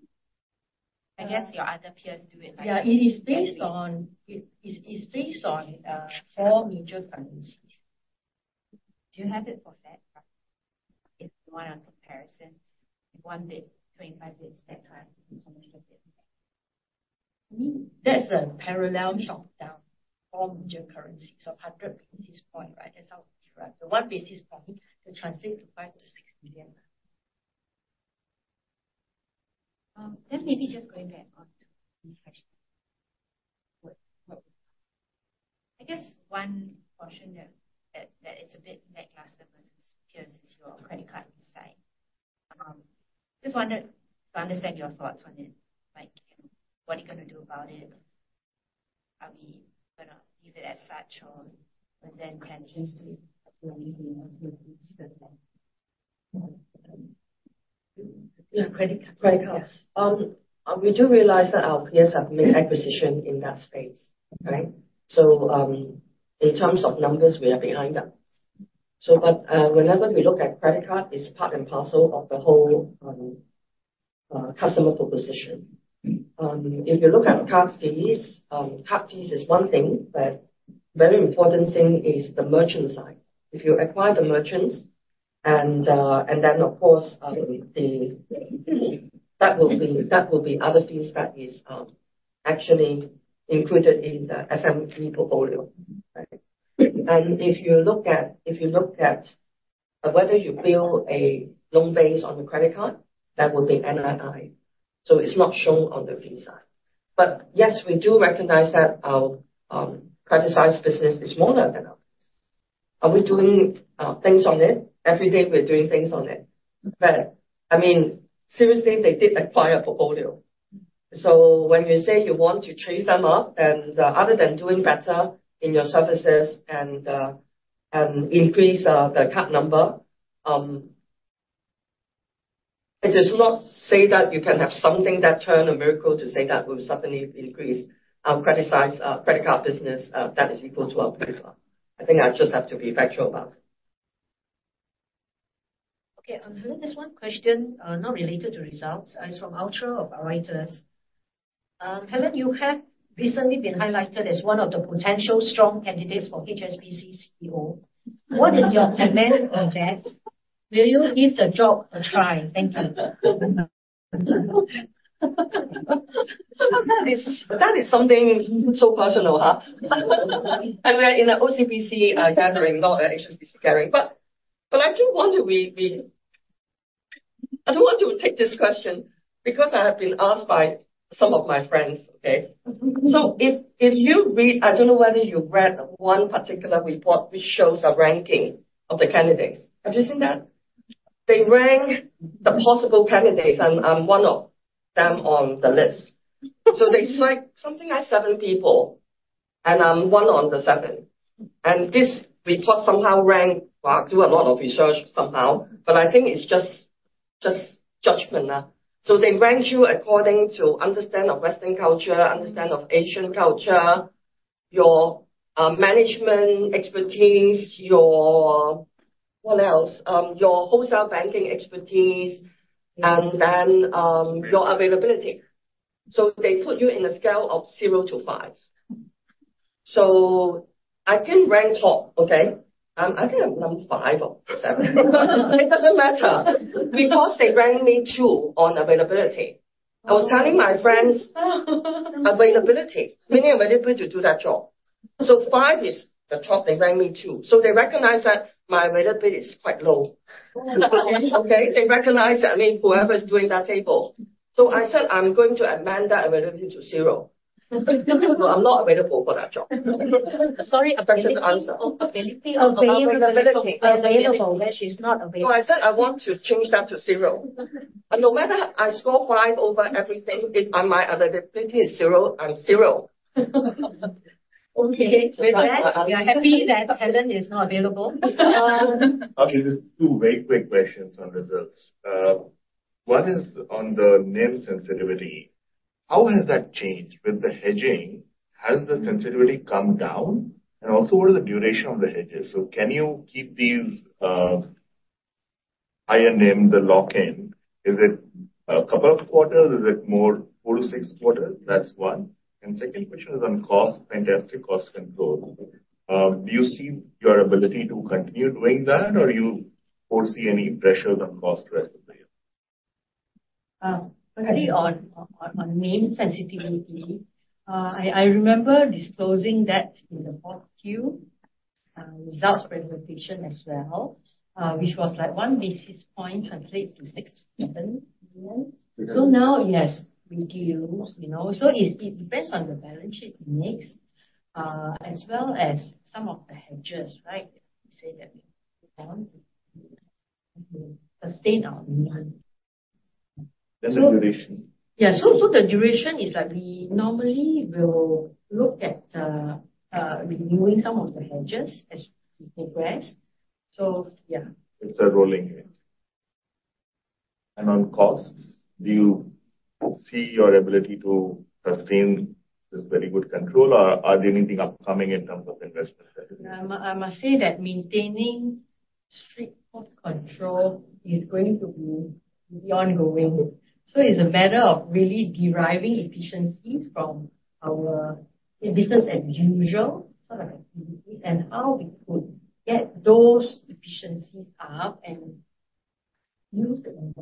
I guess your other peers do it, like. Yeah. It is based on four major currencies. Do you have it for Fed? If you want a comparison, 1 bps, 25 bps Fed currency to commercial bps Fed. I mean, that's a parallel shot down four major currencies of 100 basis points, right? That's how the one basis point to translate to 5%-6% million. Then maybe just going back on to refresh that. What would you ask? I guess one portion that is a bit lackluster versus peers is your credit card side. Just wanted to understand your thoughts on it. Like, you know, what are you going to do about it? Are we going to leave it as such, or? And then tendencies to it? Yeah. Yeah. Credit cards. Credit cards. Yeah. We do realize that our peers have made acquisitions in that space, right? So, in terms of numbers, we are behind that. But whenever we look at credit card, it's part and parcel of the whole customer proposition. If you look at card fees, card fees is one thing, but very important thing is the merchant side. If you acquire the merchants and then, of course, that will be other fees that is actually included in the SME portfolio, right? And if you look at whether you build a loan base on the credit card, that will be NII. So it's not shown on the fee side. But yes, we do recognize that our credit card business is smaller than our peers. Are we doing things on it? Every day, we're doing things on it. But I mean, seriously, they did acquire a portfolio. So when you say you want to trace them up, other than doing better in your services and increase the card number, it does not say that you can have something that turn a miracle to say that we'll suddenly increase credit-sized credit card business that is equal to our peers are. I think I just have to be factual about it. Okay. Helen, this one question, not related to results. It's from one of our writers. Helen, you have recently been highlighted as one of the potential strong candidates for HSBC CEO. What is your comment on that? Will you give the job a try? Thank you. That is something so personal, huh? And we're in an OCBC gathering, not an HSBC gathering. But I do want to take this question because I have been asked by some of my friends, okay? So if you read—I don't know whether you read—one particular report which shows a ranking of the candidates. Have you seen that? They rank the possible candidates. I'm one of them on the list. So they cite something like seven people, and I'm one of the seven. And this report somehow ranked. Well, I do a lot of research somehow, but I think it's just judgment, huh? So they rank you according to understanding of Western culture, understanding of Asian culture, your management expertise, your what else? Your wholesale banking expertise, and then your availability. So they put you in a scale of 0 to 5. So I didn't rank top, okay? I think I'm number 5 or 7. It doesn't matter because they ranked me 2 on availability. I was telling my friends, "Availability, meaning availability to do that job." So 5 is the top. They ranked me 2. So they recognize that my availability is quite low, okay? They recognize that, I mean, whoever is doing that table. So I said, "I'm going to amend that availability to 0." So I'm not available for that job. Sorry. I'm trying to answer. Availability. Available, which is not available. So I said, "I want to change that to 0." No matter how I score 5 over everything, if my availability is 0, I'm 0. Okay. With that, we are happy that Helen is not available. Okay. Just two very quick questions on results. One is on the NIM sensitivity. How has that changed with the hedging? Has the sensitivity come down? And also, what is the duration of the hedges? So can you keep these, higher NIM, the lock-in? Is it a couple of quarters? Is it more four to six quarters? That's one. And second question is on cost, fantastic cost control. Do you see your ability to continue doing that, or do you foresee any pressures on cost rest of the year? Actually, on NIM sensitivity, I remember disclosing that in the board Q results presentation as well, which was, like, one basis point translates to 60 million. So now, yes, we do, you know? So it depends on the balance sheet we make, as well as some of the hedges, right? We say that we want to sustain our NIM. Then the duration. So, yeah. So, the duration is, like, we normally will look at renewing some of the hedges as we progress. So yeah. It's a rolling rate. On costs, do you see your ability to sustain this very good control, or are there anything upcoming in terms of investment strategy? Yeah. I must, I must say that maintaining strict cost control is going to be ongoing. So it's a matter of really deriving efficiencies from our, you know, business-as-usual sort of activities and how we could get those efficiencies up and use them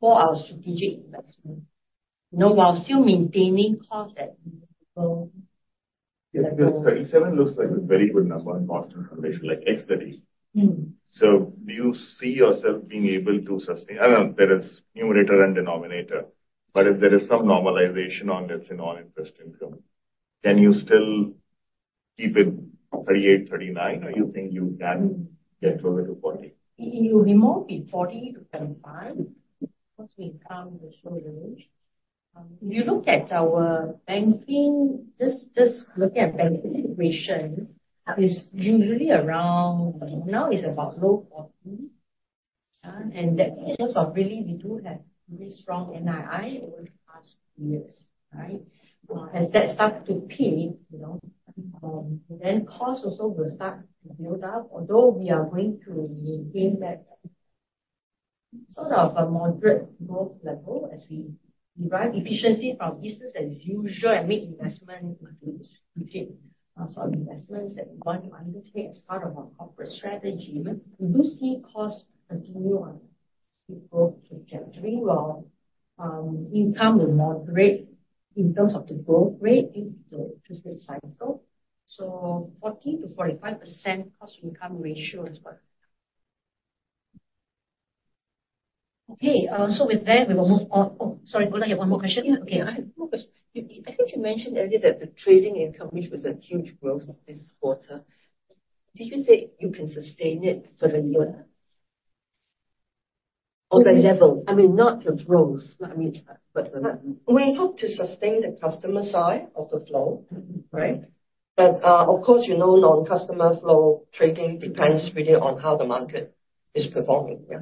for our strategic investment, you know, while still maintaining costs at a level. Yeah. Because 37 looks like a very good number in Boston Translation, like X30. So do you see yourself being able to sustain? I don't know. There is numerator and denominator. But if there is some normalization on, let's say, non-invest income, can you still keep it 38, 39, or do you think you can get closer to 40? You will be 40 to 25 once we come to the short range. If you look at our banking just, just look at banking equation, it's usually around now, it's about low 40. And that's because really we do have very strong NII over the past two years, right? As that starts to pay, you know, then costs also will start to build up, although we are going to maintain that sort of a moderate growth level as we derive efficiency from business-as-usual and make investment into it, sort of investments that we want to undertake as part of our corporate strategy. We do see costs continue on a steep growth trajectory while income will moderate in terms of the growth rate due to the interest rate cycle. So 40%-45% cost-to-income ratio is what we have. Okay. So with that, we will move on. Oh, sorry. Go ahead. You have one more question? Yeah. Okay. I have one question. I think you mentioned earlier that the trading income, which was a huge growth this quarter. Did you say you can sustain it for the year? Or the level? I mean, not the growth. I mean, but the. We hope to sustain the customer side of the flow, right? But, of course, you know, non-customer flow trading depends really on how the market is performing, yeah?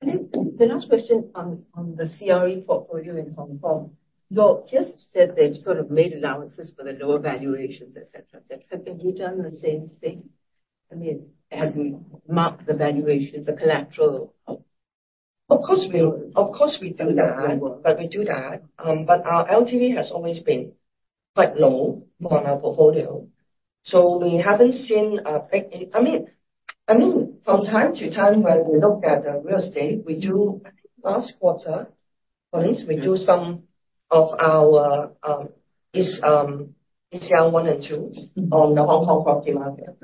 And then the last question on the CRE portfolio in Hong Kong. Your peers have said they've sort of made allowances for the lower valuations, etc., etc. Have they done the same thing? I mean, have you marked the valuations, the collateral? Of course, we of course, we do that. But we do that. But our LTV has always been quite low on our portfolio. So we haven't seen a big I mean, I mean, from time to time when we look at the real estate, we do I think last quarter, Colin, we do some of our, ECL 1 and 2 on the Hong Kong property market.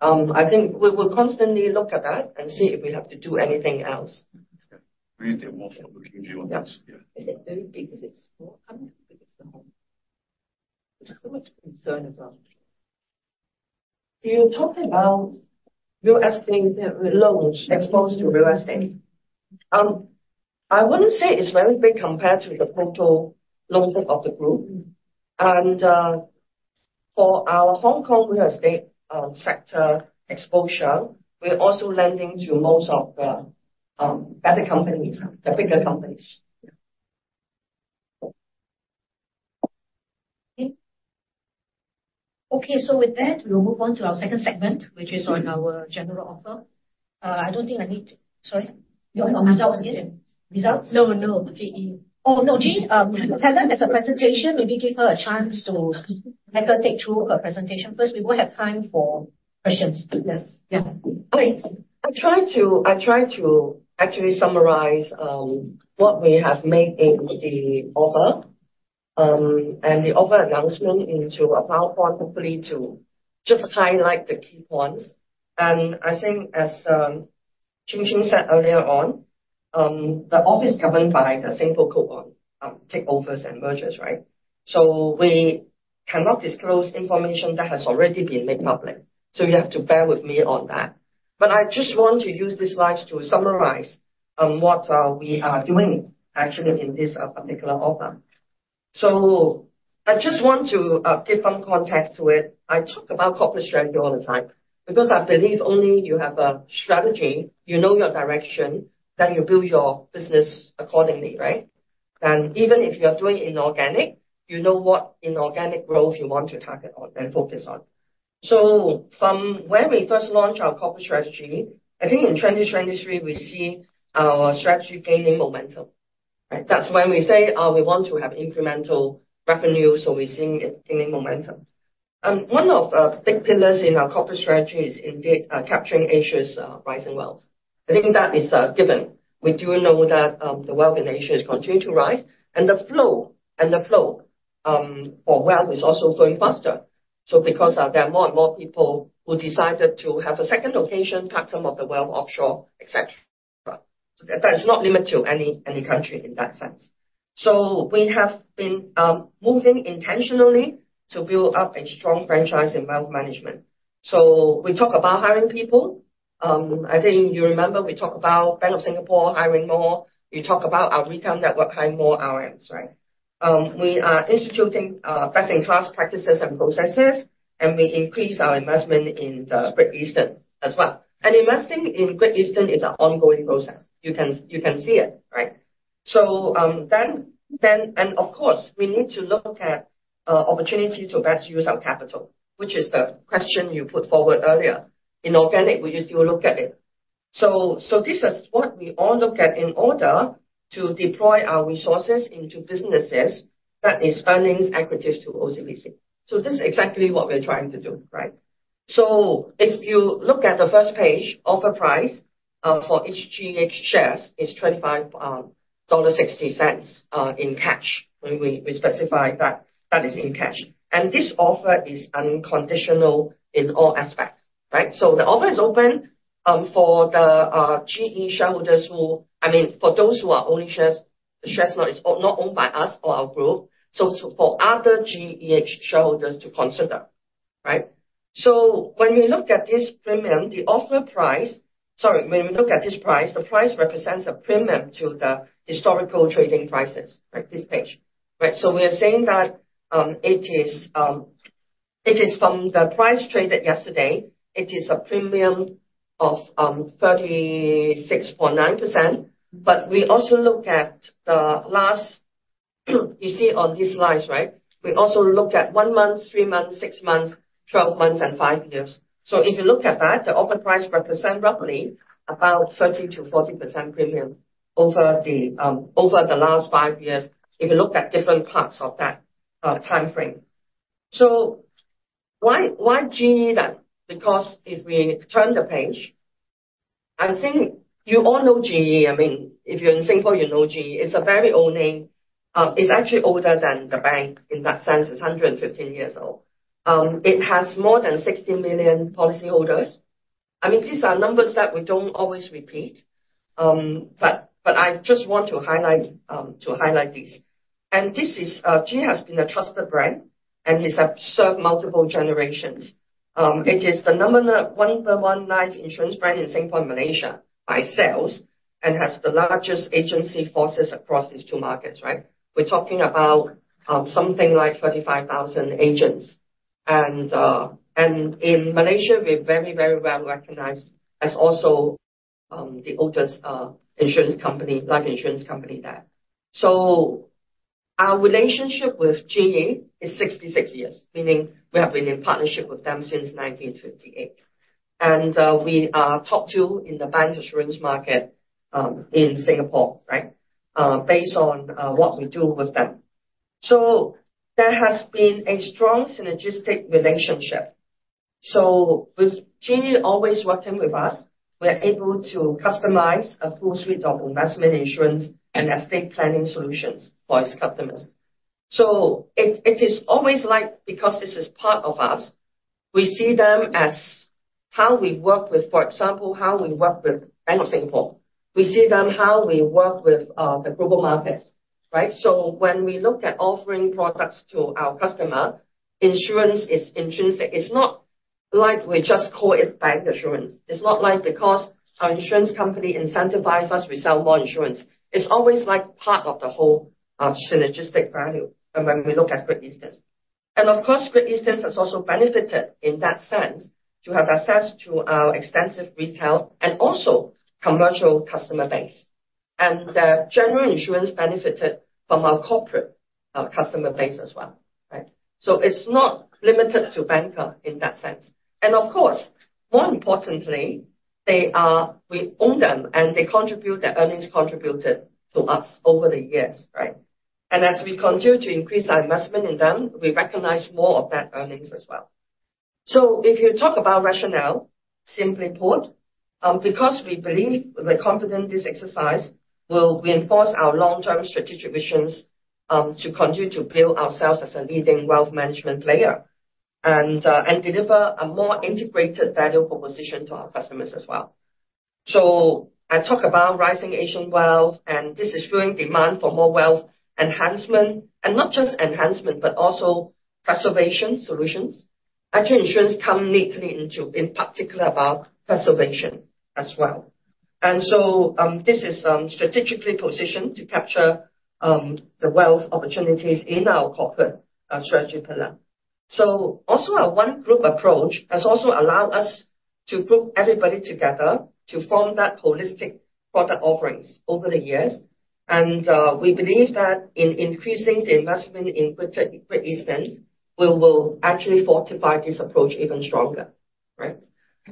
I think we will constantly look at that and see if we have to do anything else. Yeah. We need to have more forward-looking view on this. Yeah. Is it very big? Is it small? I mean, I think it's the Hong Kong. There's so much concern about the job. You talk about real estate loans exposed to real estate. I wouldn't say it's very big compared to the total loan type of the group. And for our Hong Kong real estate sector exposure, we're also lending to most of the better companies, the bigger companies. Okay. Okay. So with that, we will move on to our second segment, which is on our general offer. I don't think I need to sorry. You want your results again? Results? No, no. GE. Oh, no. GE, Helen, as a presentation, maybe give her a chance to better take through her presentation. First, we will have time for questions. Yes. Yeah. Okay. I tried to actually summarize what we have made in the offer, and the offer announcement into a PowerPoint, hopefully, to just highlight the key points. And I think, as Chin Yee said earlier on, the offer is governed by the Singapore Code on Takeovers and Mergers, right? So we cannot disclose information that has already been made public. So you have to bear with me on that. But I just want to use these slides to summarize what we are doing, actually, in this particular offer. So I just want to give some context to it. I talk about corporate strategy all the time because I believe only you have a strategy, you know your direction, then you build your business accordingly, right? And even if you are doing inorganic, you know what inorganic growth you want to target on and focus on. So from when we first launched our corporate strategy, I think in 2023, we see our strategy gaining momentum, right? That's when we say, "Oh, we want to have incremental revenue." So we're seeing it gaining momentum. One of the big pillars in our corporate strategy is indeed capturing Asia's rising wealth. I think that is given. We do know that the wealth in Asia is continuing to rise. And the flow and the flow for wealth is also going faster. So because there are more and more people who decided to have a second location, park some of the wealth offshore, etc., so that is not limited to any any country in that sense. So we have been moving intentionally to build up a strong franchise in wealth management. So we talk about hiring people. I think you remember we talk about Bank of Singapore hiring more. You talk about our retail network hiring more RMs, right? We are instituting best-in-class practices and processes, and we increase our investment in the Great Eastern as well. Investing in Great Eastern is an ongoing process. You can you can see it, right? Of course, we need to look at opportunity to best use our capital, which is the question you put forward earlier. Inorganic, will you still look at it? This is what we all look at in order to deploy our resoldces into businesses that is earnings-accretive to OCBC. This is exactly what we're trying to do, right? If you look at the first page, offer price for each GEH shares is 25.60 dollar in cash. We specify that that is in cash. This offer is unconditional in all aspects, right? So the offer is open for the GE shareholders who I mean for those who are owning shares, the shares not owned by us or our group, so for other GEH shareholders to consider, right? So when we look at this premium, the offer price sorry, when we look at this price, the price represents a premium to the historical trading prices, right, this page, right? So we are saying that it is from the price traded yesterday, it is a premium of 36.9%. But we also look at the last you see on these slides, right? We also look at one month, three months, six months, 12 months, and five years. So if you look at that, the offer price represents roughly about 30%-40% premium over the last five years if you look at different parts of that time frame. So why GE then? Because if we turn the page, I think you all know GE. I mean, if you're in Singapore, you know GE. It's a very old name. It's actually older than the bank in that sense. It's 115 years old. It has more than 60 million policyholders. I mean, these are numbers that we don't always repeat. But I just want to highlight these. And this is, GE has been a trusted brand, and it's served multiple generations. It is the number one life insurance brand in Singapore, Malaysia, by sales, and has the largest agency forces across these two markets, right? We're talking about something like 35,000 agents. In Malaysia, we're very well recognized as also the oldest insurance company life insurance company there. Our relationship with GE is 66 years, meaning we have been in partnership with them since 1958. We are top two in the bancassurance market in Singapore, right, based on what we do with them. There has been a strong synergistic relationship. With GE always working with us, we are able to customize a full suite of investment insurance and estate planning solutions for its customers. It is always like because this is part of us, we see them as how we work with, for example, how we work with Bank of Singapore. We see them how we work with the global markets, right? When we look at offering products to our customer, insurance is intrinsic. It's not like we just call it bancassurance. It's not like because our insurance company incentivizes us, we sell more insurance. It's always like part of the whole, synergistic value when we look at Great Eastern. And of course, Great Eastern has also benefited in that sense to have access to our extensive retail and also commercial customer base. And the general insurance benefited from our corporate customer base as well, right? So it's not limited to bancassurance in that sense. And of course, more importantly, there we own them, and they contribute their earnings contributed to us over the years, right? And as we continue to increase our investment in them, we recognize more of that earnings as well. So if you talk about rationale, simply put, because we believe we're confident this exercise will reinforce our long-term strategic visions to continue to build ourselves as a leading wealth management player and deliver a more integrated value proposition to our customers as well. So I talk about rising Asian wealth, and this is showing demand for more wealth enhancement and not just enhancement, but also preservation solutions. Actually, insurance come neatly into, in particular, about preservation as well. And so, this is strategically positioned to capture the wealth opportunities in our corporate strategy pillar. So also, our one-group approach has also allowed us to group everybody together to form that holistic product offerings over the years. And we believe that in increasing the investment in Great Eastern, we will actually fortify this approach even stronger, right?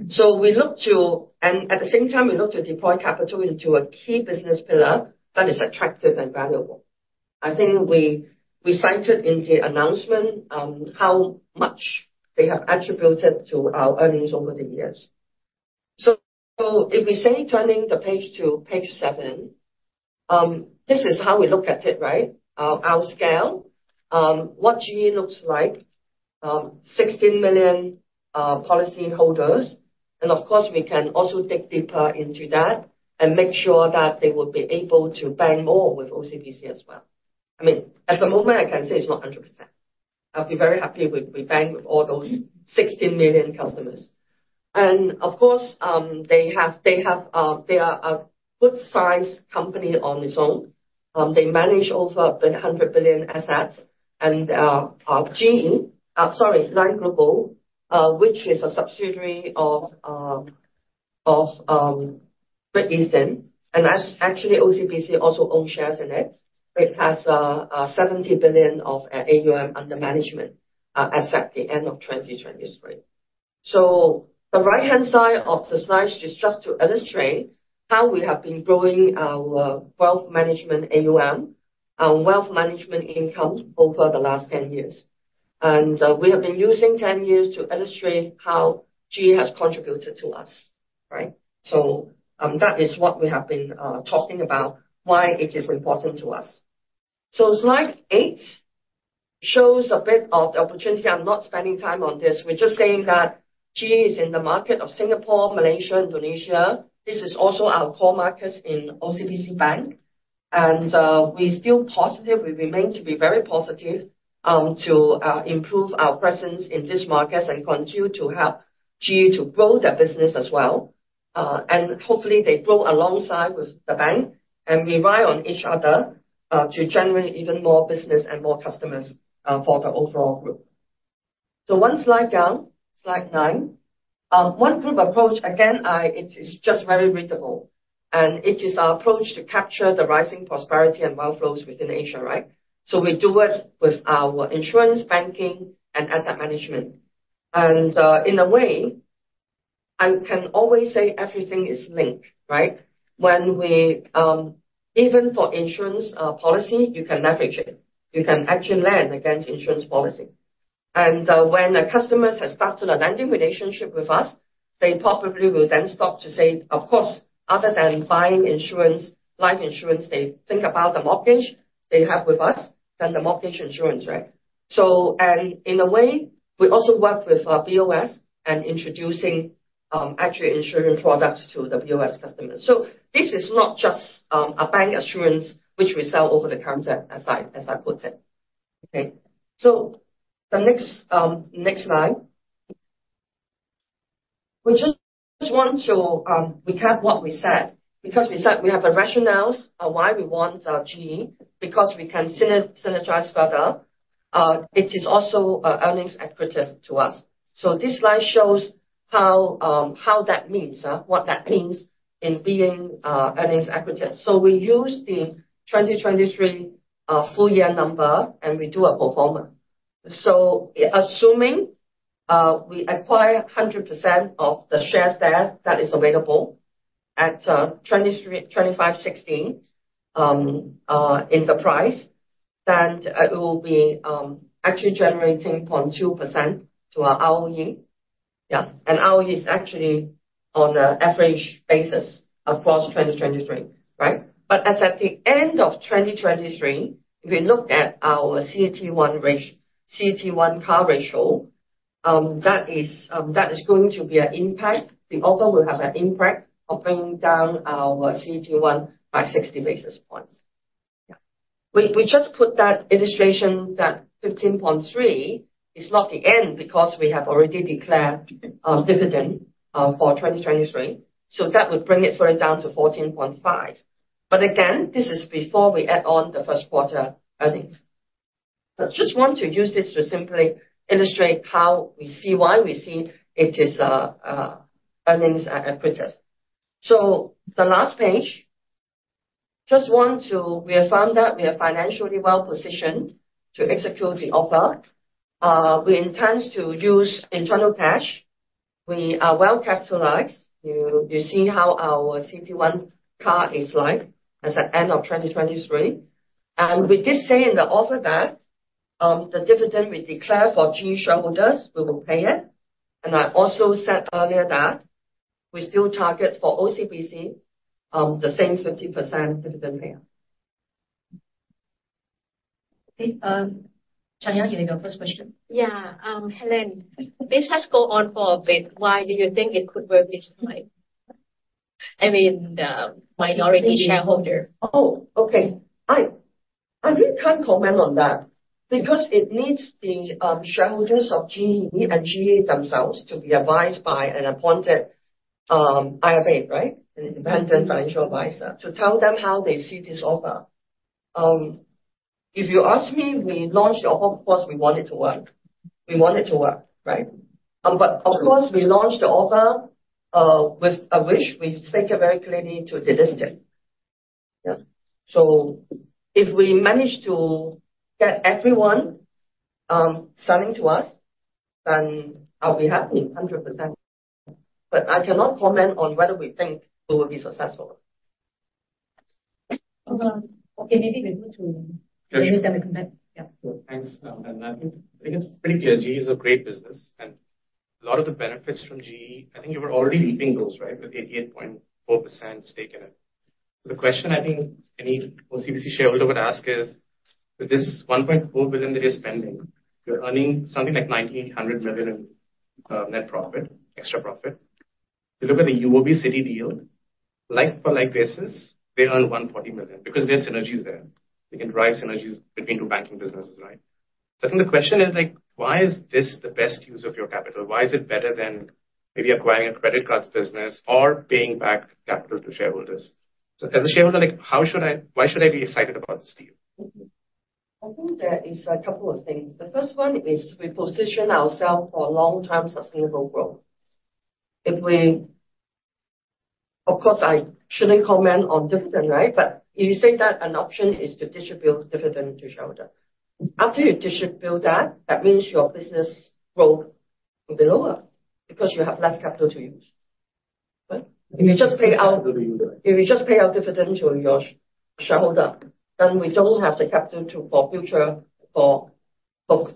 So we look to and at the same time, we look to deploy capital into a key business pillar that is attractive and valuable. I think we, we cited in the announcement, how much they have attributed to our earnings over the years. So if we say turning the page to page seven, this is how we look at it, right? Our, our scale, what GE looks like, 16 million policyholders. And of course, we can also dig deeper into that and make sure that they will be able to bank more with OCBC as well. I mean, at the moment, I can say it's not 100%. I'd be very happy if we, we bank with all those 16 million customers. And of course, they have they have, they are a good-sized company on its own. They manage over 100 billion assets. GE, sorry, Lion Global, which is a subsidiary of Great Eastern. Actually, OCBC also owns shares in it. It has 70 billion of AUM under management, as at the end of 2023. The right-hand side of the slides is just to illustrate how we have been growing our wealth management AUM, wealth management income over the last 10 years. We have been using 10 years to illustrate how GE has contributed to us, right? That is what we have been talking about, why it is important to us. Slide eight shows a bit of the opportunity. I'm not spending time on this. We're just saying that GE is in the markets of Singapore, Malaysia, Indonesia. This is also our core markets in OCBC Bank. We're still positive. We remain very positive to improve our presence in these markets and continue to help GE grow their business as well. Hopefully, they grow alongside with the bank. We rely on each other to generate even more business and more customers for the overall group. 1 slide down, slide 9. One-group approach, again, it is just very readable. It is our approach to capture the rising prosperity and wealth flows within Asia, right? We do it with our insurance, banking, and asset management. In a way, I can always say everything is linked, right? When we even for insurance policy, you can leverage it. You can actually lend against insurance policy. When a customer has started a lending relationship with us, they probably will then stop to say, "Of course, other than buying insurance, life insurance, they think about the mortgage they have with us than the mortgage insurance," right? So and in a way, we also work with BOS and introducing actually insurance products to the BOS customers. So this is not just a bancassurance which we sell over-the-counter as I put it. Okay. So the next slide. We just want to recap what we said because we said we have the rationales why we want GE because we can synergize further. It is also earnings accretive to us. So this slide shows how, how that means, what that means in being earnings accretive. So we use the 2023 full-year number, and we do a pro forma. Assuming we acquire 100% of the shares there that is available at S$25.60 in the price, then it will be actually generating 0.2% to our ROE. Yeah. And ROE is actually on an average basis across 2023, right? But as at the end of 2023, if we look at our CET1 ratio CET1 CAR ratio, that is going to be an impact. The offer will have an impact of bringing down our CET1 by 60 basis points. Yeah. We just put that illustration that 15.3 is not the end because we have already declared dividend for 2023. So that would bring it further down to 14.5. But again, this is before we add on the first-quarter earnings. But just want to use this to simply illustrate how we see why we see it is earnings accretive. So the last page. Just want to, we have found that we are financially well positioned to execute the offer. We intend to use internal cash. We are well capitalized. You see how our CET1 ratio is like as at end of 2023. We did say in the offer that the dividend we declare for GE shareholders, we will pay it. I also said earlier that we still target for OCBC the same 50% dividend payout. Okay. Chanya, you have your first question. Yeah. Helen, this has gone on for a bit. Why do you think it could work this time? I mean, the minority shareholder. Oh, okay. I really can't comment on that because it needs the shareholders of GE and GE themselves to be advised by an appointed IFA, right, an independent financial advisor, to tell them how they see this offer. If you ask me, we launched the offer. Of course, we want it to work. We want it to work, right? But of course, we launched the offer, with a wish. We state it very clearly to the listed. Yeah. So if we manage to get everyone selling to us, then I'll be happy 100%. But I cannot comment on whether we think we will be successful. Okay. Maybe we go to. Yes. Maybe we can back yeah. Sure. Thanks, Annette. I think it's pretty clear. GE is a great business. And a lot of the benefits from GE I think you were already leaving those, right, with 88.4% stake in it. So the question, I think, any OCBC shareholder would ask is, with this 1.4 billion that you're spending, you're earning something like 1.9 billion net profit, extra profit. You look at the UOB Citi deal, like-for-like basis, they earn 140 million because their synergy is there. They can drive synergies between two banking businesses, right? So I think the question is, like, why is this the best use of your capital? Why is it better than maybe acquiring a credit cards business or paying back capital to shareholders? So as a shareholder, like, how should I why should I be excited about this deal? I think there is a couple of things. The first one is we position ourselves for long-term sustainable growth. If we of course, I shouldn't comment on dividend, right? But if you say that an option is to distribute dividend to shareholder, after you distribute that, that means your business growth will be lower because you have less capital to use, right? If you just pay out. Capital to use, right? If you just pay out dividend to your shareholder, then we don't have the capital for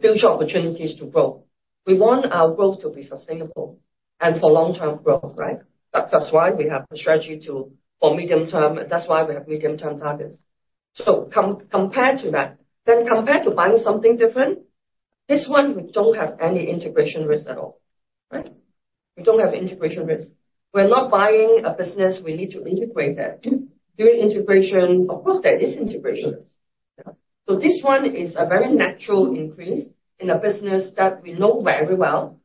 future opportunities to grow. We want our growth to be sustainable and for long-term growth, right? That's why we have a strategy for medium-term. That's why we have medium-term targets. So compare to that. Then compare to buying something different. This one, we don't have any integration risk at all, right? We don't have integration risk. We're not buying a business. We need to integrate it. Doing integration, of course, there is integration risk. Yeah. So this one is a very natural increase in a business that we know very well,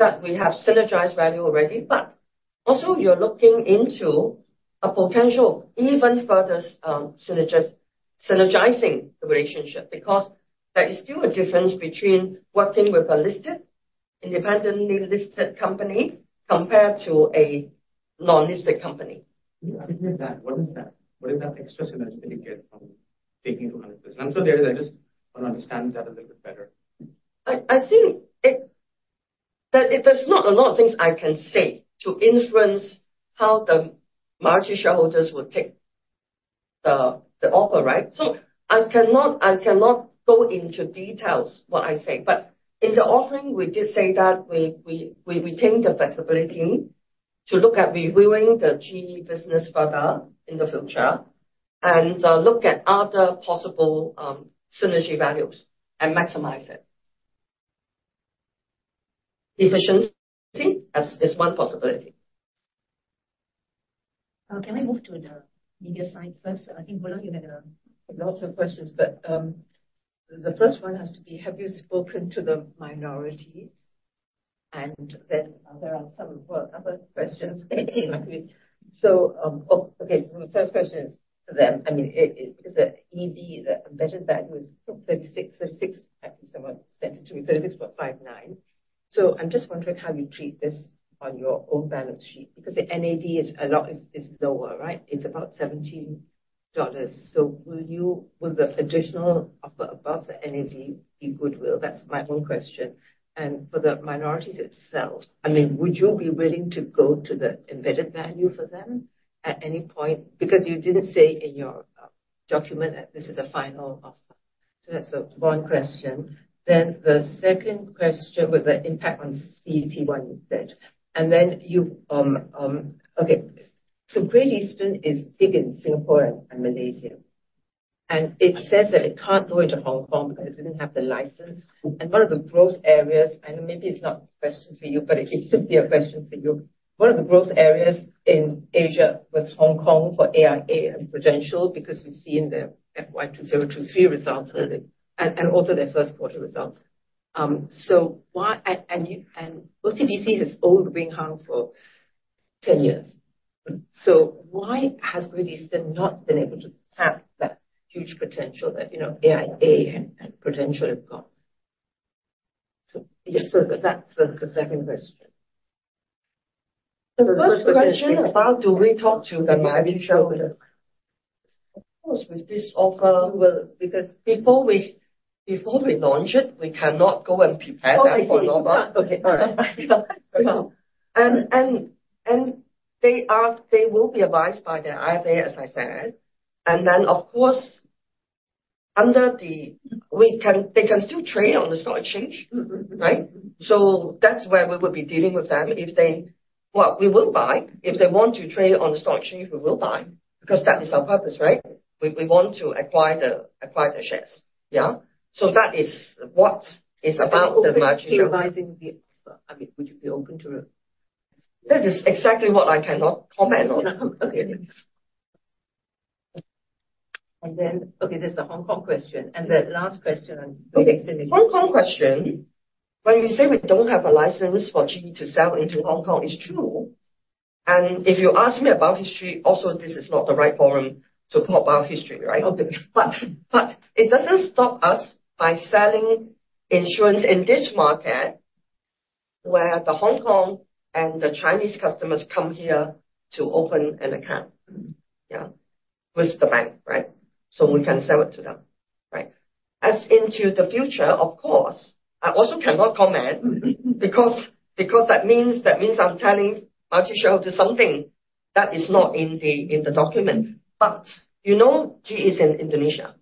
that we have synergized value already. But also, you're looking into a potential even further, synergizing the relationship because there is still a difference between working with a listed, independently listed company compared to a non-listed company. Yeah. I think there's that. What is that? What is that extra synergy that you get from taking 200%? I'm so curious. I just want to understand that a little bit better. I think that there's not a lot of things I can say to infer how the market shareholders would take the offer, right? So I cannot go into details what I say. But in the offering, we did say that we retained the flexibility to look at reviewing the GE business further in the future and look at other possible synergy values and maximize it. Efficiency is one possibility. Can we move to the media side first? I think, Goolam, you had a lot of questions. But the first one has to be, have you spoken to the minorities? And then there are some other questions. So, oh, okay. So the first question is to them. I mean, it, it because the EV, the embedded value is 36 36, I think someone sent it to me, 36.59. So I'm just wondering how you treat this on your own balance sheet because the NAV is a lot is, is lower, right? It's about 17 dollars. So will you will the additional offer above the NAV be goodwill? That's my own question. And for the minorities itself, I mean, would you be willing to go to the embedded value for them at any point? Because you didn't say in your, document that this is a final offer. So that's a one question. Then the second question with the impact on CET1, you said. And then you, okay. So Great Eastern is big in Singapore and, and Malaysia. It says that it can't go into Hong Kong because it didn't have the license. One of the growth areas and maybe it's not a question for you, but it could be a question for you. One of the growth areas in Asia was Hong Kong for AIA and Prudential because we've seen the FY 2023 results earlier and, and also their first-quarter results. So why and, and you and OCBC has owned Wing Hang for 10 years. So why has Great Eastern not been able to tap that huge potential that, you know, AIA and, and Prudential have got? So yeah. So that's the second question. So the first question is, why do we talk to the market shareholders? Of course, with this offer. We will because before we before we launch it, we cannot go and prepare that for an offer. Okay. All right. Yeah. Yeah. They will be advised by the IFA, as I said. And then, of course, they can still trade on the stock exchange, right? So that's where we will be dealing with them. If they want to trade on the stock exchange, we will buy because that is our purpose, right? We want to acquire the shares. Yeah. So that is what is about the market shareholders. Would you be advising the offer? I mean, would you be open to a? That is exactly what I cannot comment on. Okay. Then there's the Hong Kong question. And the last question, next immediately. Okay. Hong Kong question. When we say we don't have a license for GE to sell into Hong Kong, it's true. If you ask me about history, also, this is not the right forum to talk about history, right? Okay. But it doesn't stop us by selling insurance in this market where the Hong Kong and the Chinese customers come here to open an account, yeah, with the bank, right? So we can sell it to them, right? As into the future, of course, I also cannot comment because that means that means I'm telling market shareholders something that is not in the in the document. But you know GE is in Indonesia.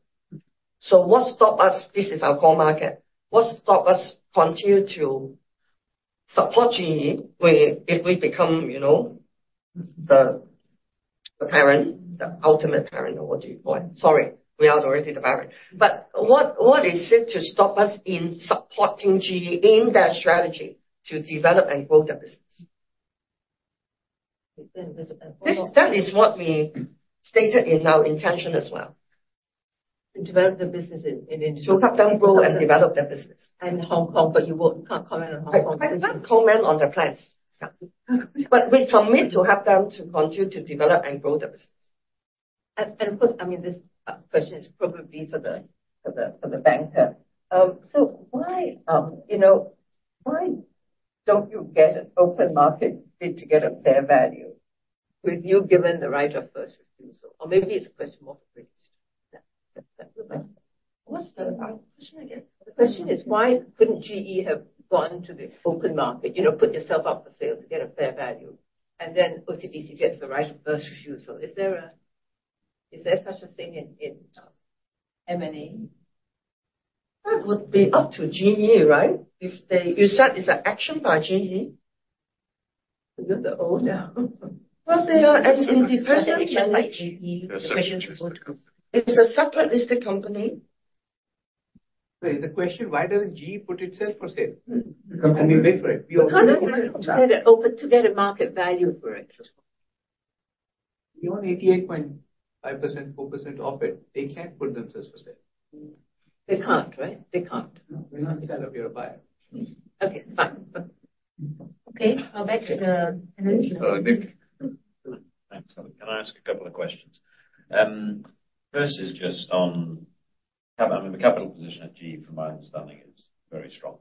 So what stops us? This is our core market. What stops us continue to support GE if we become, you know, the, the parent, the ultimate parent, or what do you call it? Sorry. We are already the parent. But what is it to stop us in supporting GE in their strategy to develop and grow their business? That is what we stated in our intention as well. To develop their business in Indonesia. To have them grow and develop their business. And Hong Kong. But you will can't comment on Hong Kong business. I can't comment on their plans. Yeah. But we commit to have them to continue to develop and grow their business. And, of course, I mean, this question is probably for the banker. So why, you know, why don't you get an open market bid to get a fair value with you given the right of first refusal? Or maybe it's a question more for Great Eastern. Yeah. Yeah. That would be what's the question again? The question is, why couldn't GE have gone to the open market, you know, put yourself up for sale to get a fair value, and then OCBC gets the right of first refusal? Is there such a thing in M&A? That would be up to GE, right? If they you said it's an action by GE. You're the owner. Well, they are as independent as GE. It's a separate listed company. Wait. The question, why doesn't GE put itself for sale? Can we wait for it? We are open to get a market value for it. We own 88.5%, 4% of it. They can't put themselves for sale. They can't, right? They can't. We're not a seller. We're a buyer. Okay. Fine. Okay. I'll back to the analyst. Sorry, Nick. Thanks, Helen. Can I ask a couple of questions? First is just on, I mean, the capital position at GE, from my understanding, is very strong.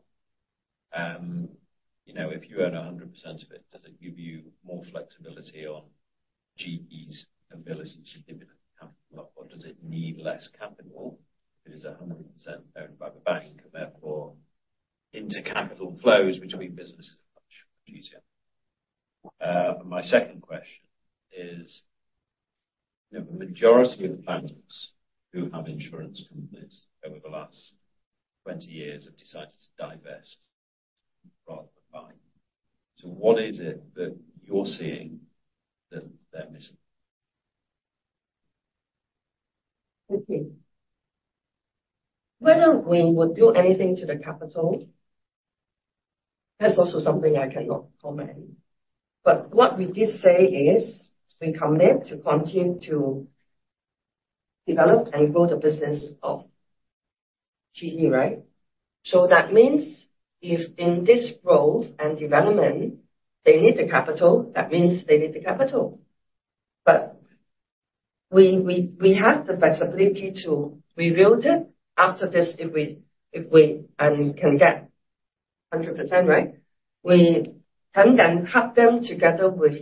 You know, if you own 100% of it, does it give you more flexibility on GE's ability to dividend capital? Or does it need less capital if it is 100% owned by the bank and therefore intercapital flows between businesses are much, much easier? My second question is, you know, the majority of the banks who have insurance companies over the last 20 years have decided to divest rather than buy. So what is it that you're seeing that they're missing? Okay. Whether we will do anything to the capital, that's also something I cannot comment. But what we did say is we commit to continue to develop and grow the business of GE, right? So that means if in this growth and development, they need the capital, that means they need the capital. But we, we, we have the flexibility to rebuild it after this if we if we and can get 100%, right? We can then help them together with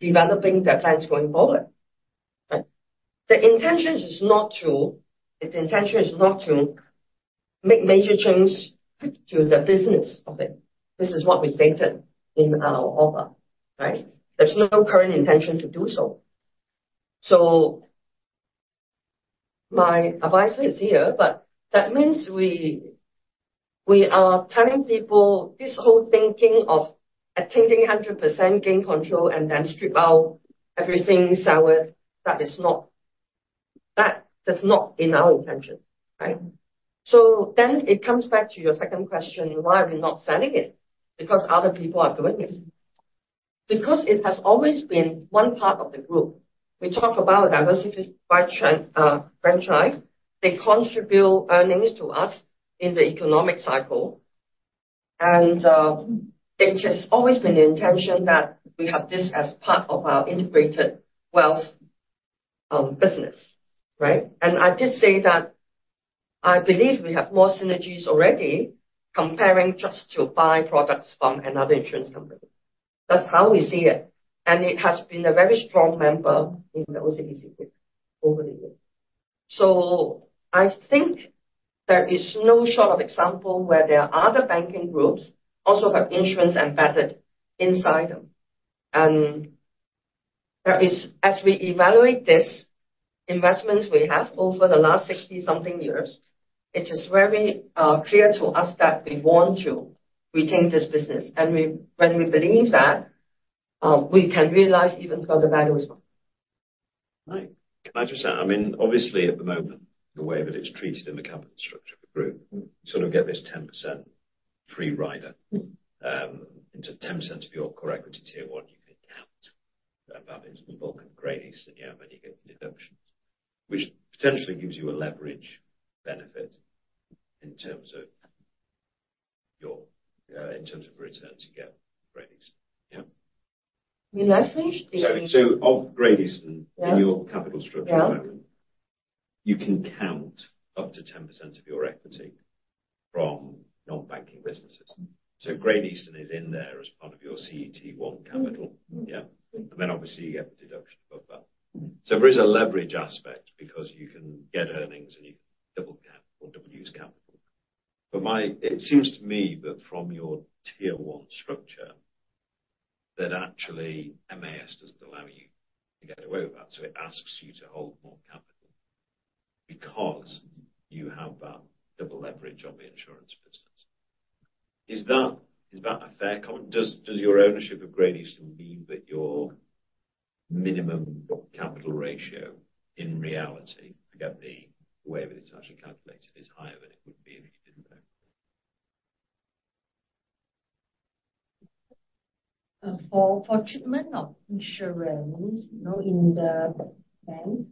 developing their plans going forward, right? The intention is not to the intention is not to make major changes to the business of it. This is what we stated in our offer, right? There's no current intention to do so. So my advice is here. But that means we, we are telling people this whole thinking of attaining 100% gain control and then strip out everything sour, that is not that does not in our intention, right? So then it comes back to your second question, why are we not selling it? Because other people are doing it. Because it has always been one part of the group. We talk about a diversified franchise. They contribute earnings to us in the economic cycle. And it has always been the intention that we have this as part of our integrated wealth business, right? And I did say that I believe we have more synergies already comparing just to buy products from another insurance company. That's how we see it. And it has been a very strong member in the OCBC group over the years. So I think there is no shortage of examples where there are other banking groups also have insurance embedded inside them. And there is, as we evaluate these investments we have over the last 60-something years, it is very clear to us that we want to retain this business. And when we believe that, we can realize even further value as well. All right. Can I just add? I mean, obviously, at the moment, the way that it's treated in the capital structure of the group, you sort of get this 10% free ride into 10% of your core equity tier one. You can count about it as part of the Great Eastern. And then you get deductions, which potentially gives you a leverage benefit in terms of your, in terms of return on Great Eastern. So, Great Eastern in your capital structure at the moment, you can count up to 10% of your equity from non-banking businesses. So Great Eastern is in there as part of your CET1 capital. And then, obviously, you get the deduction above that. So there is a leverage aspect because you can get earnings, and you can double-count or double-use capital. But it seems to me that from your tier one structure, that actually, MAS doesn't allow you to get away with that. So it asks you to hold more capital because you have that double leverage on the insurance business. Is that a fair comment? Does your ownership of Great Eastern mean that your minimum capital ratio, in reality, I get the way that it's actually calculated, is higher than it would be if you didn't own it? For treatment of insurance, you know, in the bank,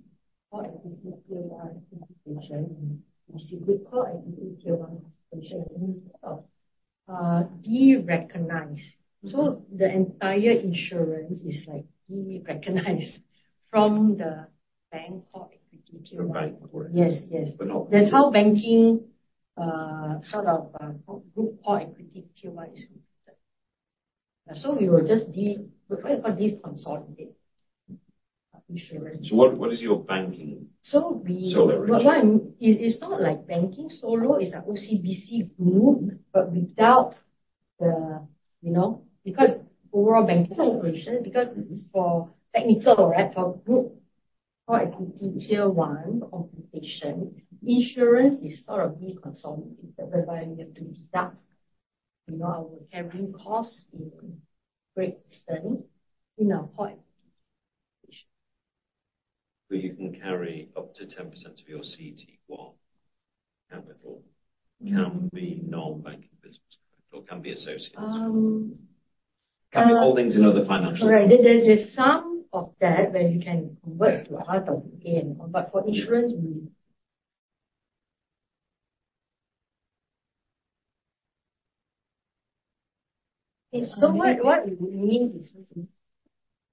core equity tier one participation, we see good core equity tier one participation instead of de-recognized. So the entire insurance is, like, de-recognized from the bank core equity tier one. Yes. Yes. But not. That's how banking, sort of, group core equity tier one is computed. So we will just de-consolidate what you call insurance. So, what is your banking? So we. So, what I'm it, it's not like banking solo. It's an OCBC group, but without the, you know, because overall banking operation because for technical, right, for group core equity tier one computation, insurance is sort of de-consolidated whereby we have to deduct, you know, our carrying costs in Great Eastern in our core equity tier. So you can carry up to 10% of your CET1 capital, can be non-banking business, correct? Or can be associated. Can be holdings in other financial. Right. There, there's a sum of that where you can convert to RWA and convert for insurance, we. So, what we would mean is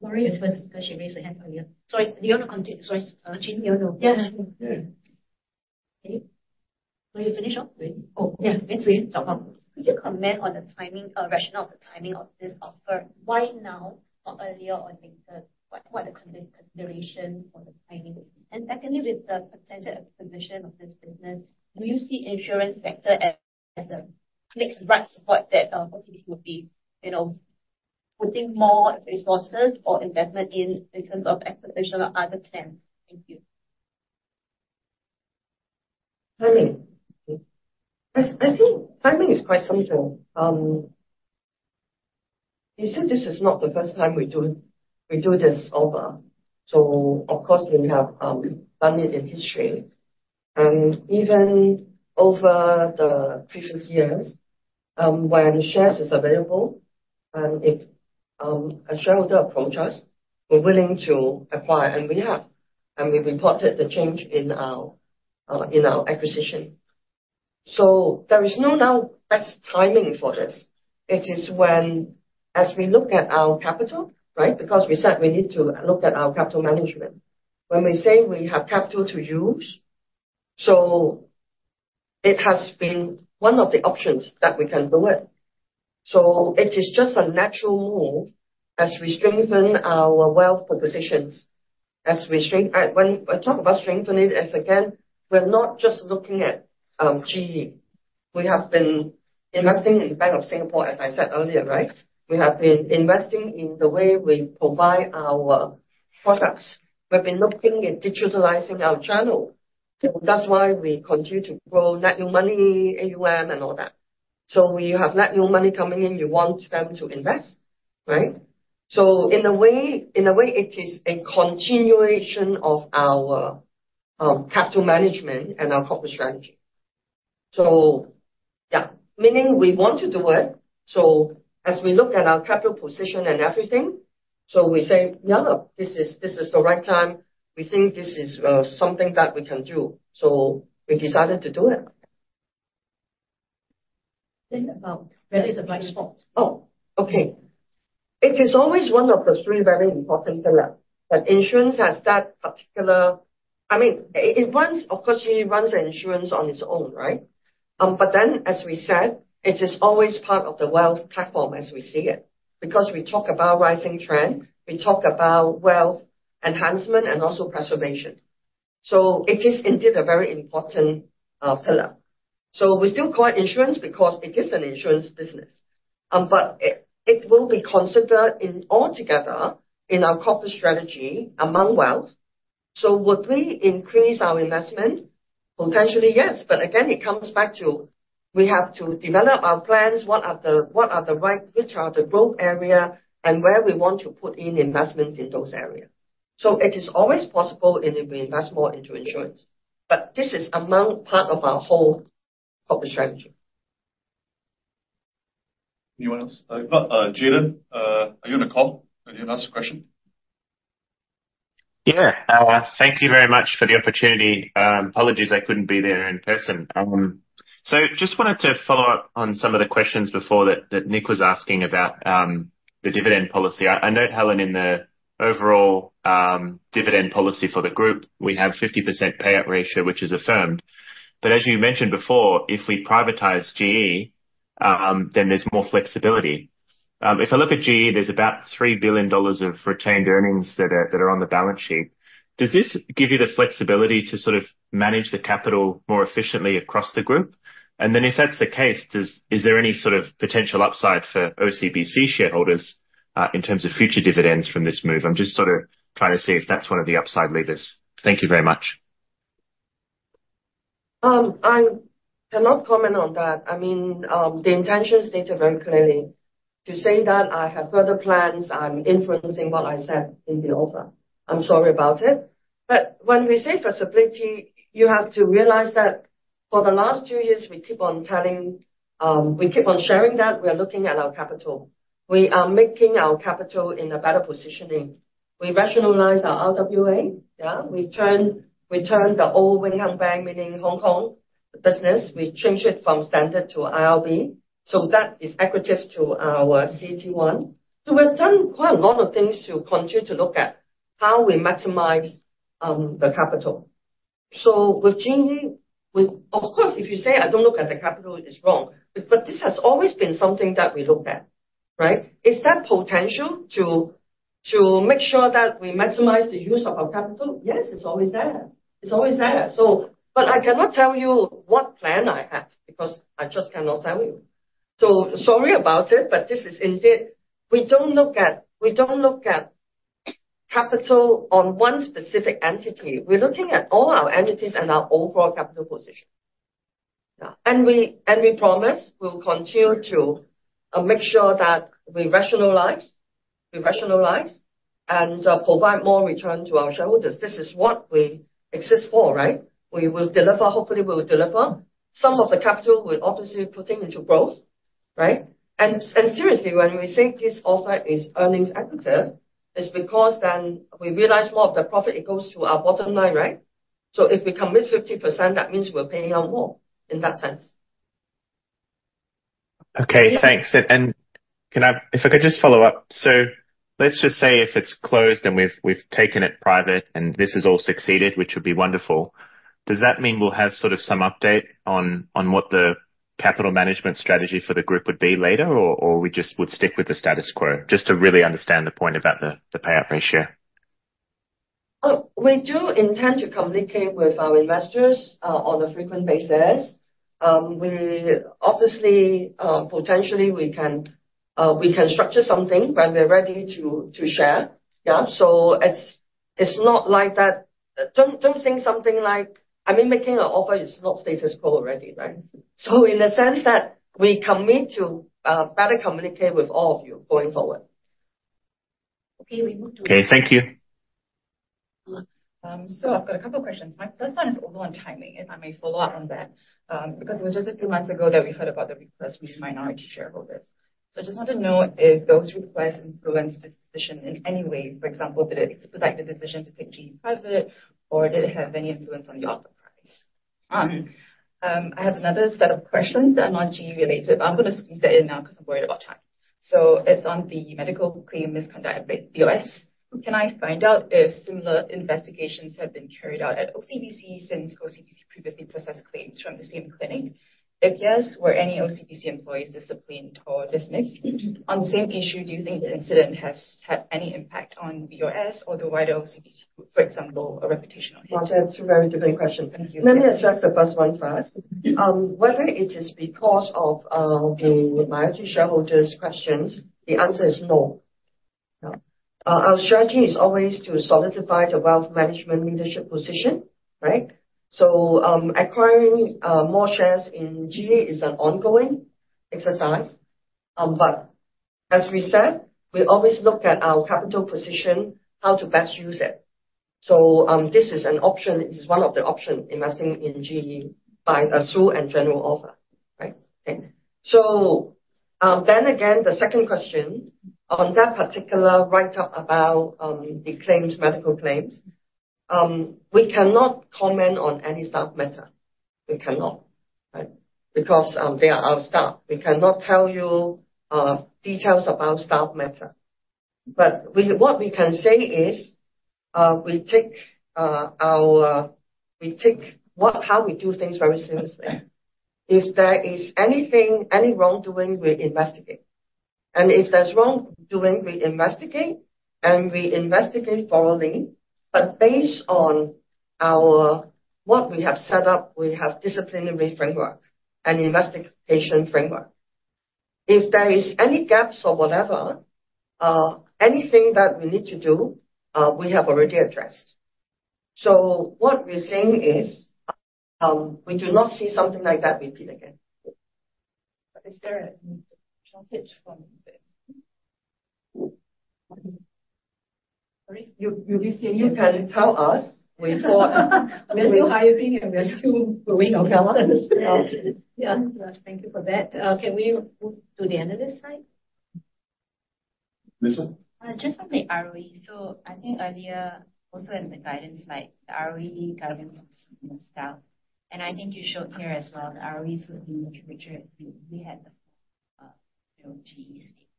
sorry. Because she raised her hand earlier. Sorry. Do you want to continue? Sorry. Chin Yee, you want to? Yeah. Yeah. Ready? So you finished or? Ready. Oh. Yeah. Could you comment on the timing, rationale of the timing of this offer? Why now or earlier or later? What, what the consideration for the timing? And secondly, with the potential acquisition of this business, do you see insurance sector as the next right spot that, OCBC would be, you know, putting more resources or investment in in terms of acquisition of other plans? Thank you. Timing. I, I think timing is quite central. You said this is not the first time we do we do this offer. So, of course, we have, done it in history. And even over the previous years, when shares is available and if, a shareholder approaches us, we're willing to acquire. And we have and we reported the change in our, in our acquisition. So there is no now best timing for this. It is when, as we look at our capital, right, because we said we need to look at our capital management. When we say we have capital to use, so it has been one of the options that we can do it. So it is just a natural move as we strengthen our wealth propositions, as we strengthen when I talk about strengthening is, again, we're not just looking at GE. We have been investing in the Bank of Singapore, as I said earlier, right? We have been investing in the way we provide our products. We've been looking at digitalizing our channel. So that's why we continue to grow net new money, AUM, and all that. So we have net new money coming in. You want them to invest, right? So in a way in a way, it is a continuation of our capital management and our corporate strategy. So yeah. Meaning we want to do it. So as we look at our capital position and everything, so we say, "Yeah. This is this is the right time. We think this is something that we can do." So we decided to do it. Then about where is the bright spot? Oh. Okay. It is always one of the three very important pillars. But insurance has that particular I mean, it runs of course, GE runs insurance on its own, right? But then, as we said, it is always part of the wealth platform as we see it because we talk about rising trend. We talk about wealth enhancement and also preservation. So it is indeed a very important pillar. So we still call it insurance because it is an insurance business. But it, it will be considered in altogether in our corporate strategy among wealth. So would we increase our investment? Potentially, yes. But again, it comes back to we have to develop our plans. What are the what are the right which are the growth area and where we want to put in investments in those areas? So it is always possible if we invest more into insurance. But this is among part of our whole corporate strategy. Anyone else? Jayden, are you on the call? Are you going to ask a question? Yeah. Thank you very much for the opportunity. Apologies, I couldn't be there in person. So just wanted to follow up on some of the questions before that, that Nick was asking about, the dividend policy. I note, Helen, in the overall dividend policy for the group, we have 50% payout ratio, which is affirmed. But as you mentioned before, if we privatize GE, then there's more flexibility. If I look at GE, there's about 3 billion dollars of retained earnings that are on the balance sheet. Does this give you the flexibility to sort of manage the capital more efficiently across the group? And then if that's the case, does is there any sort of potential upside for OCBC shareholders, in terms of future dividends from this move? I'm just sort of trying to see if that's one of the upside levers. Thank you very much. I cannot comment on that. I mean, the intentions stated very clearly. To say that I have further plans, I'm inferencing what I said in the offer. I'm sorry about it. But when we say flexibility, you have to realize that for the last two years, we keep on telling we keep on sharing that we are looking at our capital. We are making our capital in a better positioning. We rationalize our RWA. Yeah. We turn the old Wing Hang Bank, meaning Hong Kong, business. We changed it from standard to IRB. So that is equivalent to our CET1. So we've done quite a lot of things to continue to look at how we maximize the capital. So with GE, we of course, if you say, "I don't look at the capital," is wrong. But this has always been something that we look at, right? Is that potential to make sure that we maximize the use of our capital? Yes. It's always there. It's always there. So but I cannot tell you what plan I have because I just cannot tell you. So sorry about it. But this is indeed we don't look at capital on one specific entity. We're looking at all our entities and our overall capital position. Yeah. We promise we'll continue to make sure that we rationalize and provide more return to our shareholders. This is what we exist for, right? We will deliver, hopefully we will deliver. Some of the capital, we're obviously putting into growth, right? And seriously, when we say this offer is earnings accretive, it's because then we realize more of the profit, it goes to our bottom line, right? So if we commit 50%, that means we're paying out more in that sense. Okay. Thanks. And can I, if I could, just follow up. So let's just say if it's closed and we've taken it private, and this has all succeeded, which would be wonderful. Does that mean we'll have sort of some update on what the capital management strategy for the group would be later? Or we just would stick with the status quo? Just to really understand the point about the payout ratio. We do intend to communicate with our investors on a frequent basis. We obviously, potentially, we can structure something when we're ready to share. Yeah. So it's not like that. Don't think something like, I mean, making an offer is not status quo already, right? So in the sense that we commit to better communicate with all of you going forward. Okay. We move to. Okay. Thank you. So I've got a couple of questions. My first one is all on timing, if I may follow up on that, because it was just a few months ago that we heard about the request from minority shareholders. So I just want to know if those requests influenced this decision in any way. For example, did it expedite the decision to take GE private, or did it have any influence on the offer price? I have another set of questions that are non-GE related. I'm going to squeeze that in now because I'm worried about time. So it's on the medical claim misconduct at BOS. Can I find out if similar investigations have been carried out at OCBC since OCBC previously processed claims from the same clinic? If yes, were any OCBC employees disciplined or dismissed? On the same issue, do you think the incident has had any impact on BOS or the wider OCBC group, for example, a reputational hit? That's a very different question. Thank you. Let me address the first one first. Whether it is because of the minority shareholders' questions, the answer is no. Yeah. Our strategy is always to solidify the wealth management leadership position, right? So, acquiring more shares in GE is an ongoing exercise. But as we said, we always look at our capital position, how to best use it. So, this is an option, this is one of the options investing in GE by a through a general offer, right? Okay. So, then again, the second question on that particular write-up about the claims, medical claims, we cannot comment on any staff matter. We cannot, right, because they are our staff. We cannot tell you details about staff matter. But what we can say is, we take our we take what how we do things very seriously. If there is anything, any wrongdoing, we investigate. And if there's wrongdoing, we investigate, and we investigate thoroughly. But based on what we have set up, we have disciplinary framework and investigation framework. If there is any gaps or whatever, anything that we need to do, we have already addressed. So what we're saying is, we do not see something like that repeat again. Is there a chunk here for me? Sorry. You, you're listening. You can tell us. We're still hiring, and we're still doing our service. Yeah. Thank you for that. Can we move to the analyst side? Listen. Just on the ROE. So I think earlier, also in the guidance slide, the ROE guidance was in the staff. And I think you showed here as well, the ROEs would be much richer if we had the full, you know, GE stake.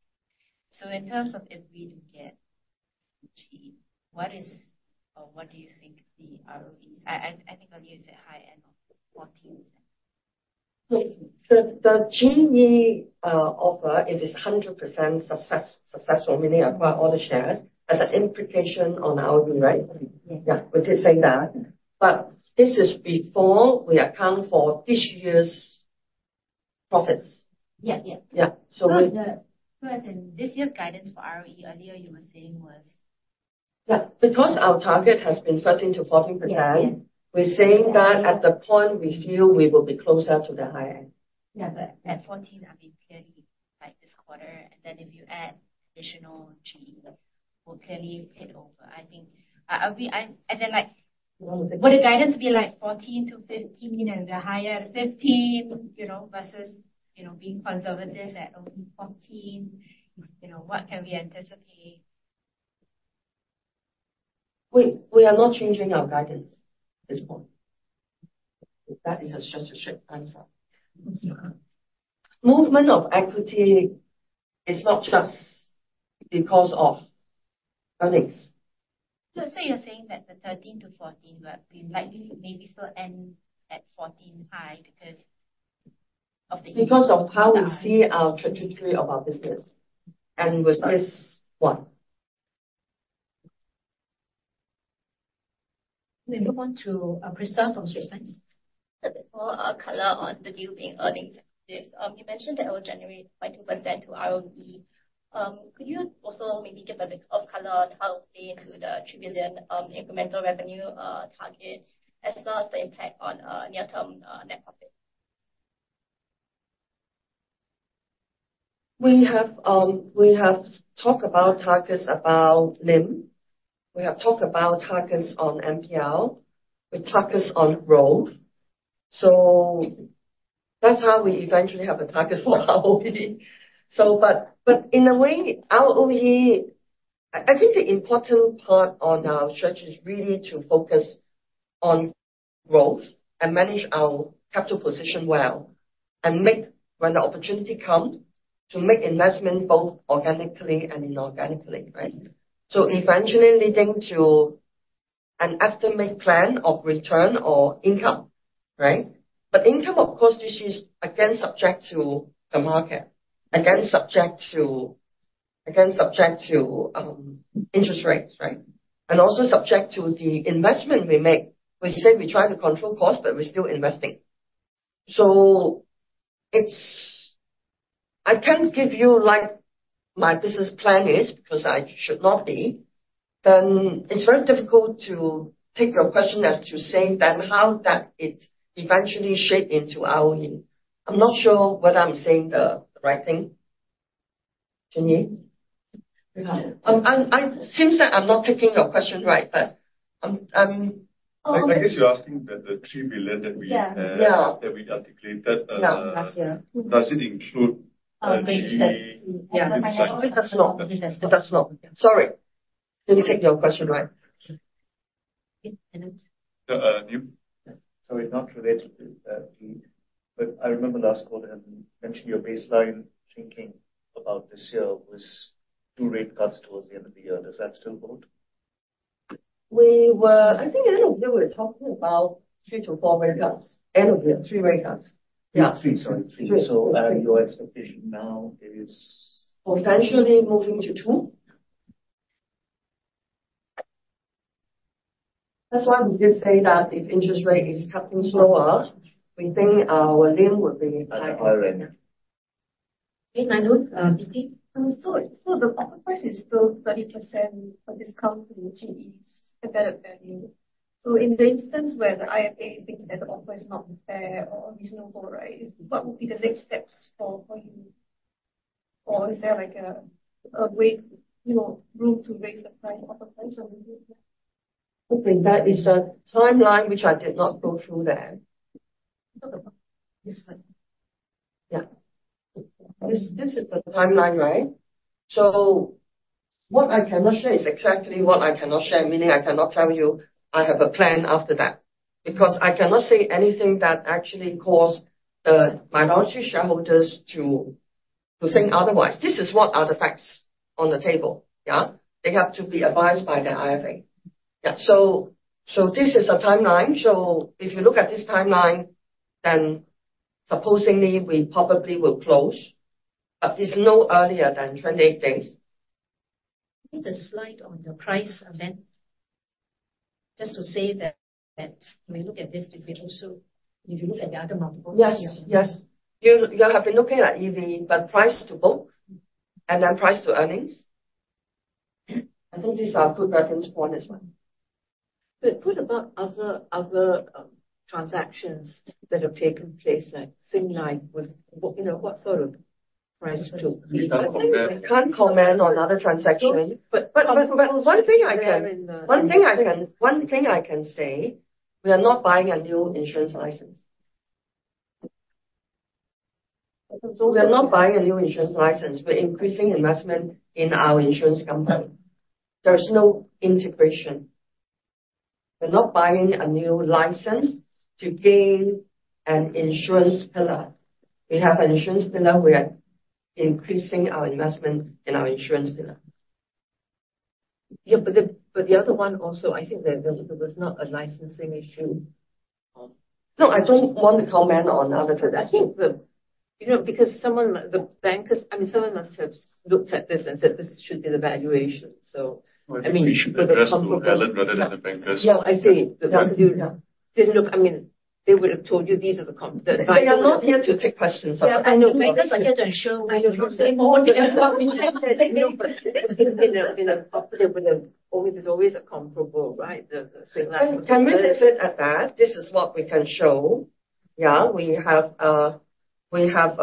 So in terms of if we do get GE, what is or what do you think the ROEs? I think earlier you said high end of 14%. The GE offer, it is 100% successful, meaning acquire all the shares, has an implication on ROE, right? Yeah. We did say that. But this is before we account for this year's profits. Yeah. Yeah. Yeah. So, so as in this year's guidance for ROE, earlier you were saying was. Yeah. Because our target has been 13%-14%, we're saying that at the point we feel we will be closer to the high end. Yeah. But at 14%, I mean, clearly, like, this quarter, and then if you add additional GE, we'll clearly hit over. I think I'll be, and then, like. You want to take. Would the guidance be, like, 14%-15%, and we're higher at 15%, you know, versus, you know, being conservative at only 14%? You know, what can we anticipate? We are not changing our guidance at this point. That is a strategic answer. Movement of equity is not just because of earnings. So you're saying that the 13-14 will likely maybe still end at 14 high because of the. Because of how we see our trajectory of our business and with this one. Maybe we'll move on to Prisca from Straits Times. Just a bit more color on the new business earnings objective. You mentioned that it will generate 22% ROE. Could you also maybe give a bit of color on how it will play into the S$1 trillion incremental revenue target as well as the impact on near-term net profit? We have talked about targets about NIM. We have talked about targets on NPL. We have targets on growth. So that's how we eventually have a target for ROE. But in a way, ROE—I think the important part on our strategy is really to focus on growth and manage our capital position well and make when the opportunity come, to make investment both organically and inorganically, right? So eventually leading to an estimate plan of return or income, right? But income, of course, this is, again, subject to the market, subject to interest rates, right? And also subject to the investment we make. We say we try to control costs, but we're still investing. So it's—I can't give you, like, my business plan is because I should not be. Then it's very difficult to take your question as to say then how that it eventually shaped into ROE. I'm not sure whether I'm saying the right thing, Ching Yee. And it seems that I'm not taking your question right. Oh, I guess you're asking that the trillion that we had. Yeah. Yeah. That we articulated as a. No, last year. Does it include the GE? Yeah. I think it does not. It does not. Sorry. Didn't take your question right. Okay. Okay. And it's the NIM? So it's not related to GE. But I remember last call, they had mentioned your baseline thinking about this year was two rate cuts towards the end of the year. Does that still hold? We were I think end of year, we were talking about three to four rate cuts. End of year. Three rate cuts. Yeah. Three. Sorry. Three. So, your expectation now is potentially moving to two. That's why we did say that if interest rate is cutting slower, we think our NIM would be higher. At a higher end. Okay. Ninood, BT? So the offer price is still 30% a discount to GE's embedded value. So in the instance where the IFA thinks that the offer is not fair or reasonable, right, what would be the next steps for you? Or is there, like, a way, you know, room to raise the price, offer price? I mean, yeah. Okay. That is a timeline, which I did not go through there. This one. Yeah. This is the timeline, right? So what I cannot share is exactly what I cannot share, meaning I cannot tell you I have a plan after that because I cannot say anything that actually caused the minority shareholders to think otherwise. This is what are the facts on the table. Yeah. They have to be advised by the IFA. Yeah. So this is a timeline. So if you look at this timeline, then supposedly, we probably will close. But it's no earlier than 28 days. Maybe the slide on the price event. Just to say that when we look at this, did we also if you look at the other multiples. Yes. Yes. You have been looking at EV, but price to book, and then price to earnings. I think these are good reference points as well. But what about other transactions that have taken place, like things like with you know, what sort of price to EV? I think we can't comment on other transactions. But one thing I can say, we are not buying a new insurance license. We are not buying a new insurance license. We're increasing investment in our insurance company. There is no integration. We're not buying a new license to gain an insurance pillar. We have an insurance pillar. We are increasing our investment in our insurance pillar. Yeah. But the other one also, I think that there was not a licensing issue. No, I don't want to comment on other things. I think, you know, because someone the bankers I mean, someone must have looked at this and said, "This should be the valuation." So, I mean. Or it should be addressed to the valuer rather than the bankers. Yeah. I see. The bankers didn't look I mean, they would have told you, "These are the advisors." They are not here to take questions about. Yeah. I know. I mean, because I can't ensure we can say more than what we have said. No. But in a they would have always there's always a comparable, right? Can we say it at that? This is what we can show. Yeah. We have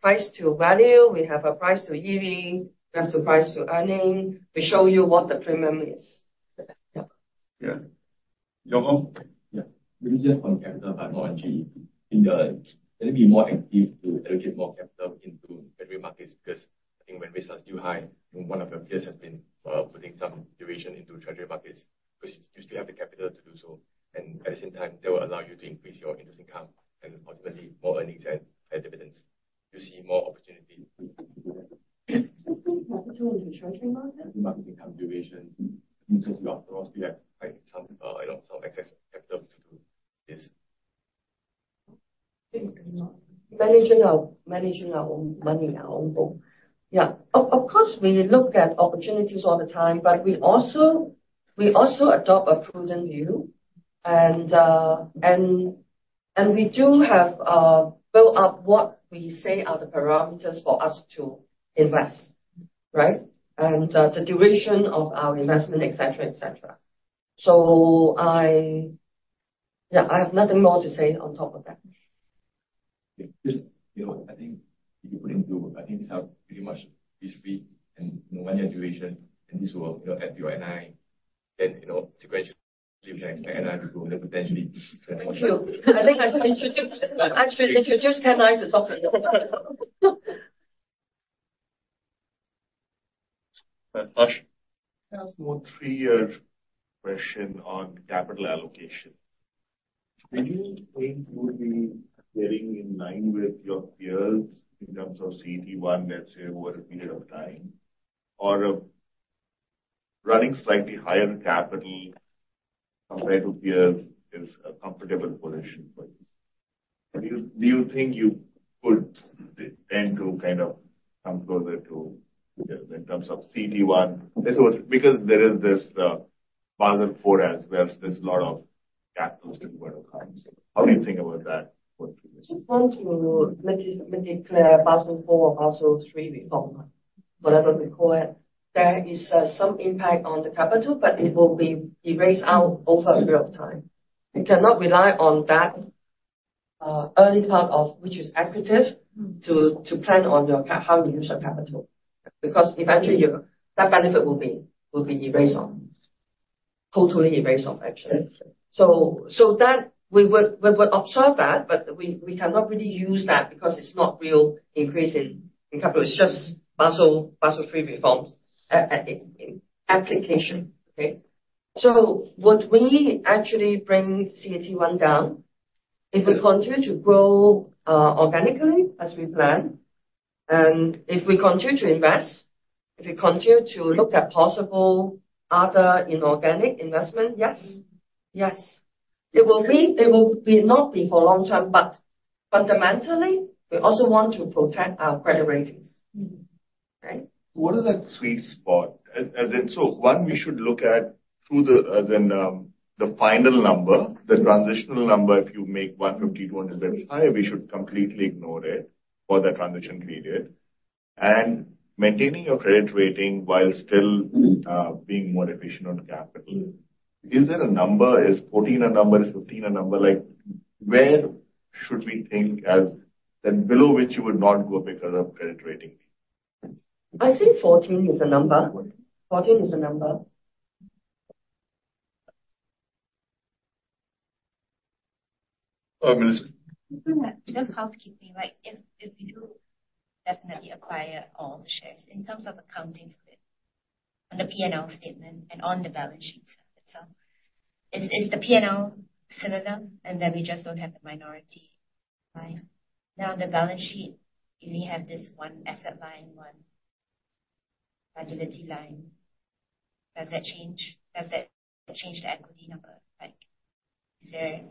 price to value. We have a price to EV. We have price to earnings. We show you what the premium is. Yeah. Yeah. Your own? Yeah. Maybe just on capital but not on GE. I think they'll be more active to allocate more capital into treasury markets because I think when rates are still high, one of your peers has been putting some duration into treasury markets because you still have the capital to do so. And at the same time, that will allow you to increase your interest income and ultimately more earnings and higher dividends. You'll see more opportunity. Investing capital into treasury markets? Market income durations. I think because you are thrust, you have, like, some, you know, some excess capital to do this. Managing our managing our own money, our own book. Yeah. Of course, we look at opportunities all the time. But we also we also adopt a prudent view. And, and, and we do have, built up what we say are the parameters for us to invest, right, and, the duration of our investment, etc., etc. So I yeah. I have nothing more to say on top of that. Just, you know, I think if you put into I think this is pretty much risk-free and no money at duration. And this will, you know, add to your NI, then, you know, sequentially, you can expect NI to grow, then potentially more. Thank you. I think I should introduce actually introduce Ken Lai to talk to you. Hush. Has more three-year question on capital allocation. Anything would be getting in line with your peers in terms of CET1, let's say, over a period of time? Or a running slightly higher capital compared to peers is a comfortable position for you? Do you think you could tend to kind of come closer to in terms of CET1? This was because there is this, Basel 4 as well as there's a lot of capitals in World Accounts. How do you think about that? Just want to make it clear, Basel 4 or Basel 3, whatever we call it, there is, some impact on the capital, but it will be erased out over a period of time. You cannot rely on that, early part of which is equivalent to plan on how you use your capital because eventually, that benefit will be erased off, totally erased off, actually. So that we would observe that, but we cannot really use that because it's not a real increase in capital. It's just Basel 3 reforms at application, okay? So would we actually bring CET1 down if we continue to grow organically as we plan? And if we continue to invest, if we continue to look at possible other inorganic investment, yes. Yes. It will not be for long term, but fundamentally, we also want to protect our credit ratings, right? What is that sweet spot? So, one we should look at is the final number, the transitional number, if you make 150, 200 rates higher, we should completely ignore it for that transition period. And maintaining your credit rating while still being more efficient on capital, is there a number? Is 14 a number, is 15 a number? Like, where should we think is the number below which you would not go because of credit rating? I think 14 is a number. 14 is a number. Oh, Melissa. Just housekeeping. Like, if you definitely acquire all the shares in terms of accounting for it on the P&L statement and on the balance sheet itself, is the P&L similar, and then we just don't have the minority line? Now, on the balance sheet, you only have this one asset line, one liability line. Does that change? Does that change the equity number? Like, is there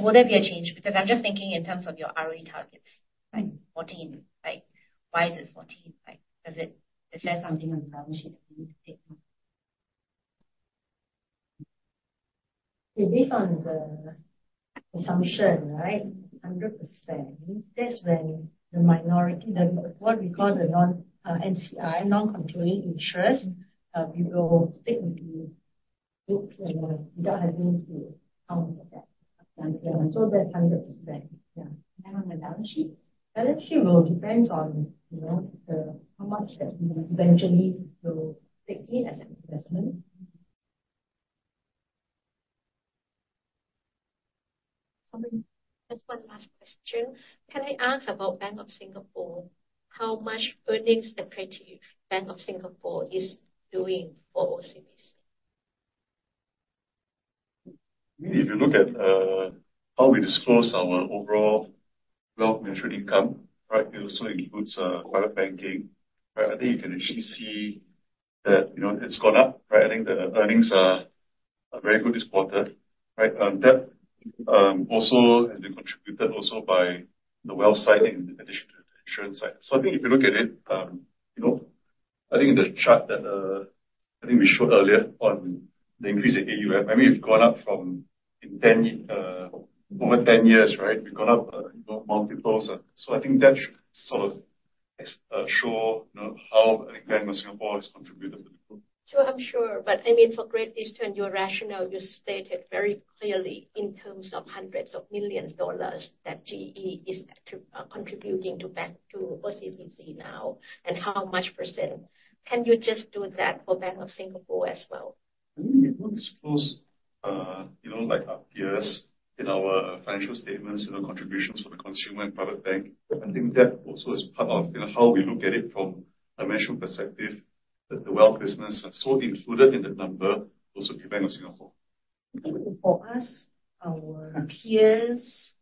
would there be a change? Because I'm just thinking in terms of your ROE targets, like 14%. Like, why is it 14%? Like, does that something on the balance sheet that we need to take note of? Okay. Based on the assumption, right, 100%, that's when the minority, the what we call the non NCI, non-controlling interest, we will take into account without having to count that. So that's 100%. Yeah. And then on the balance sheet? Balance sheet will depends on, you know, the how much that we eventually will take in as an investment. Somebody? Just one last question. Can I ask about Bank of Singapore, how much earnings attributed Bank of Singapore is doing for OCBC? I mean, if you look at how we disclose our overall wealth management income, right, it also includes private banking, right? I think you can actually see that, you know, it's gone up, right? I think the earnings are very good this quarter, right? That also has been contributed also by the wealth side in addition to the insurance side. So I think if you look at it, you know, I think in the chart that I think we showed earlier on the increase in AUM, I mean, it's gone up from in 10, over 10 years, right? We've gone up, you know, multiples. So I think that should sort of show, you know, how I think Bank of Singapore has contributed to the growth. Sure. I'm sure. But I mean, for Great Eastern, your rationale, you stated very clearly in terms of hundreds of millions of dollars that GE is contributing to bank to OCBC now and how much %. Can you just do that for Bank of Singapore as well? I mean, if we disclose, you know, like, our peers in our financial statements, you know, contributions for the consumer and private bank, I think that also is part of, you know, how we look at it from a management perspective, that the wealth business are so included in that number also in Bank of Singapore. Okay. For us, our peers,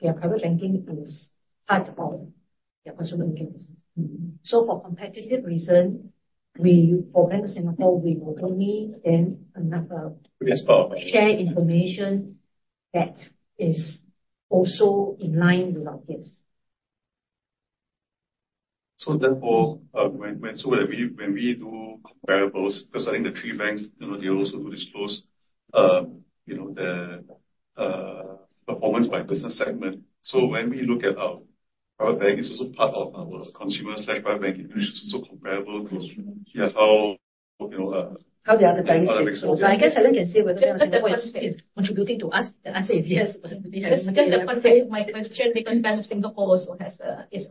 their private banking is part of their consumer income business. So for competitive reason, we for Bank of Singapore, we will only then another. It's part of our. Share information that is also in line with our peers. So therefore, when we do comparables because I think the three banks, you know, they also do disclose, you know, their performance by business segment. So when we look at our private bank, it's also part of our consumer/private banking. It's also comparable to, yeah, how, you know, how the other banks disclose. I guess Helen can say whether Bank of Singapore is contributing to us. The answer is yes, but maybe Helen can just. Just one question. My question, because Bank of Singapore also has a is.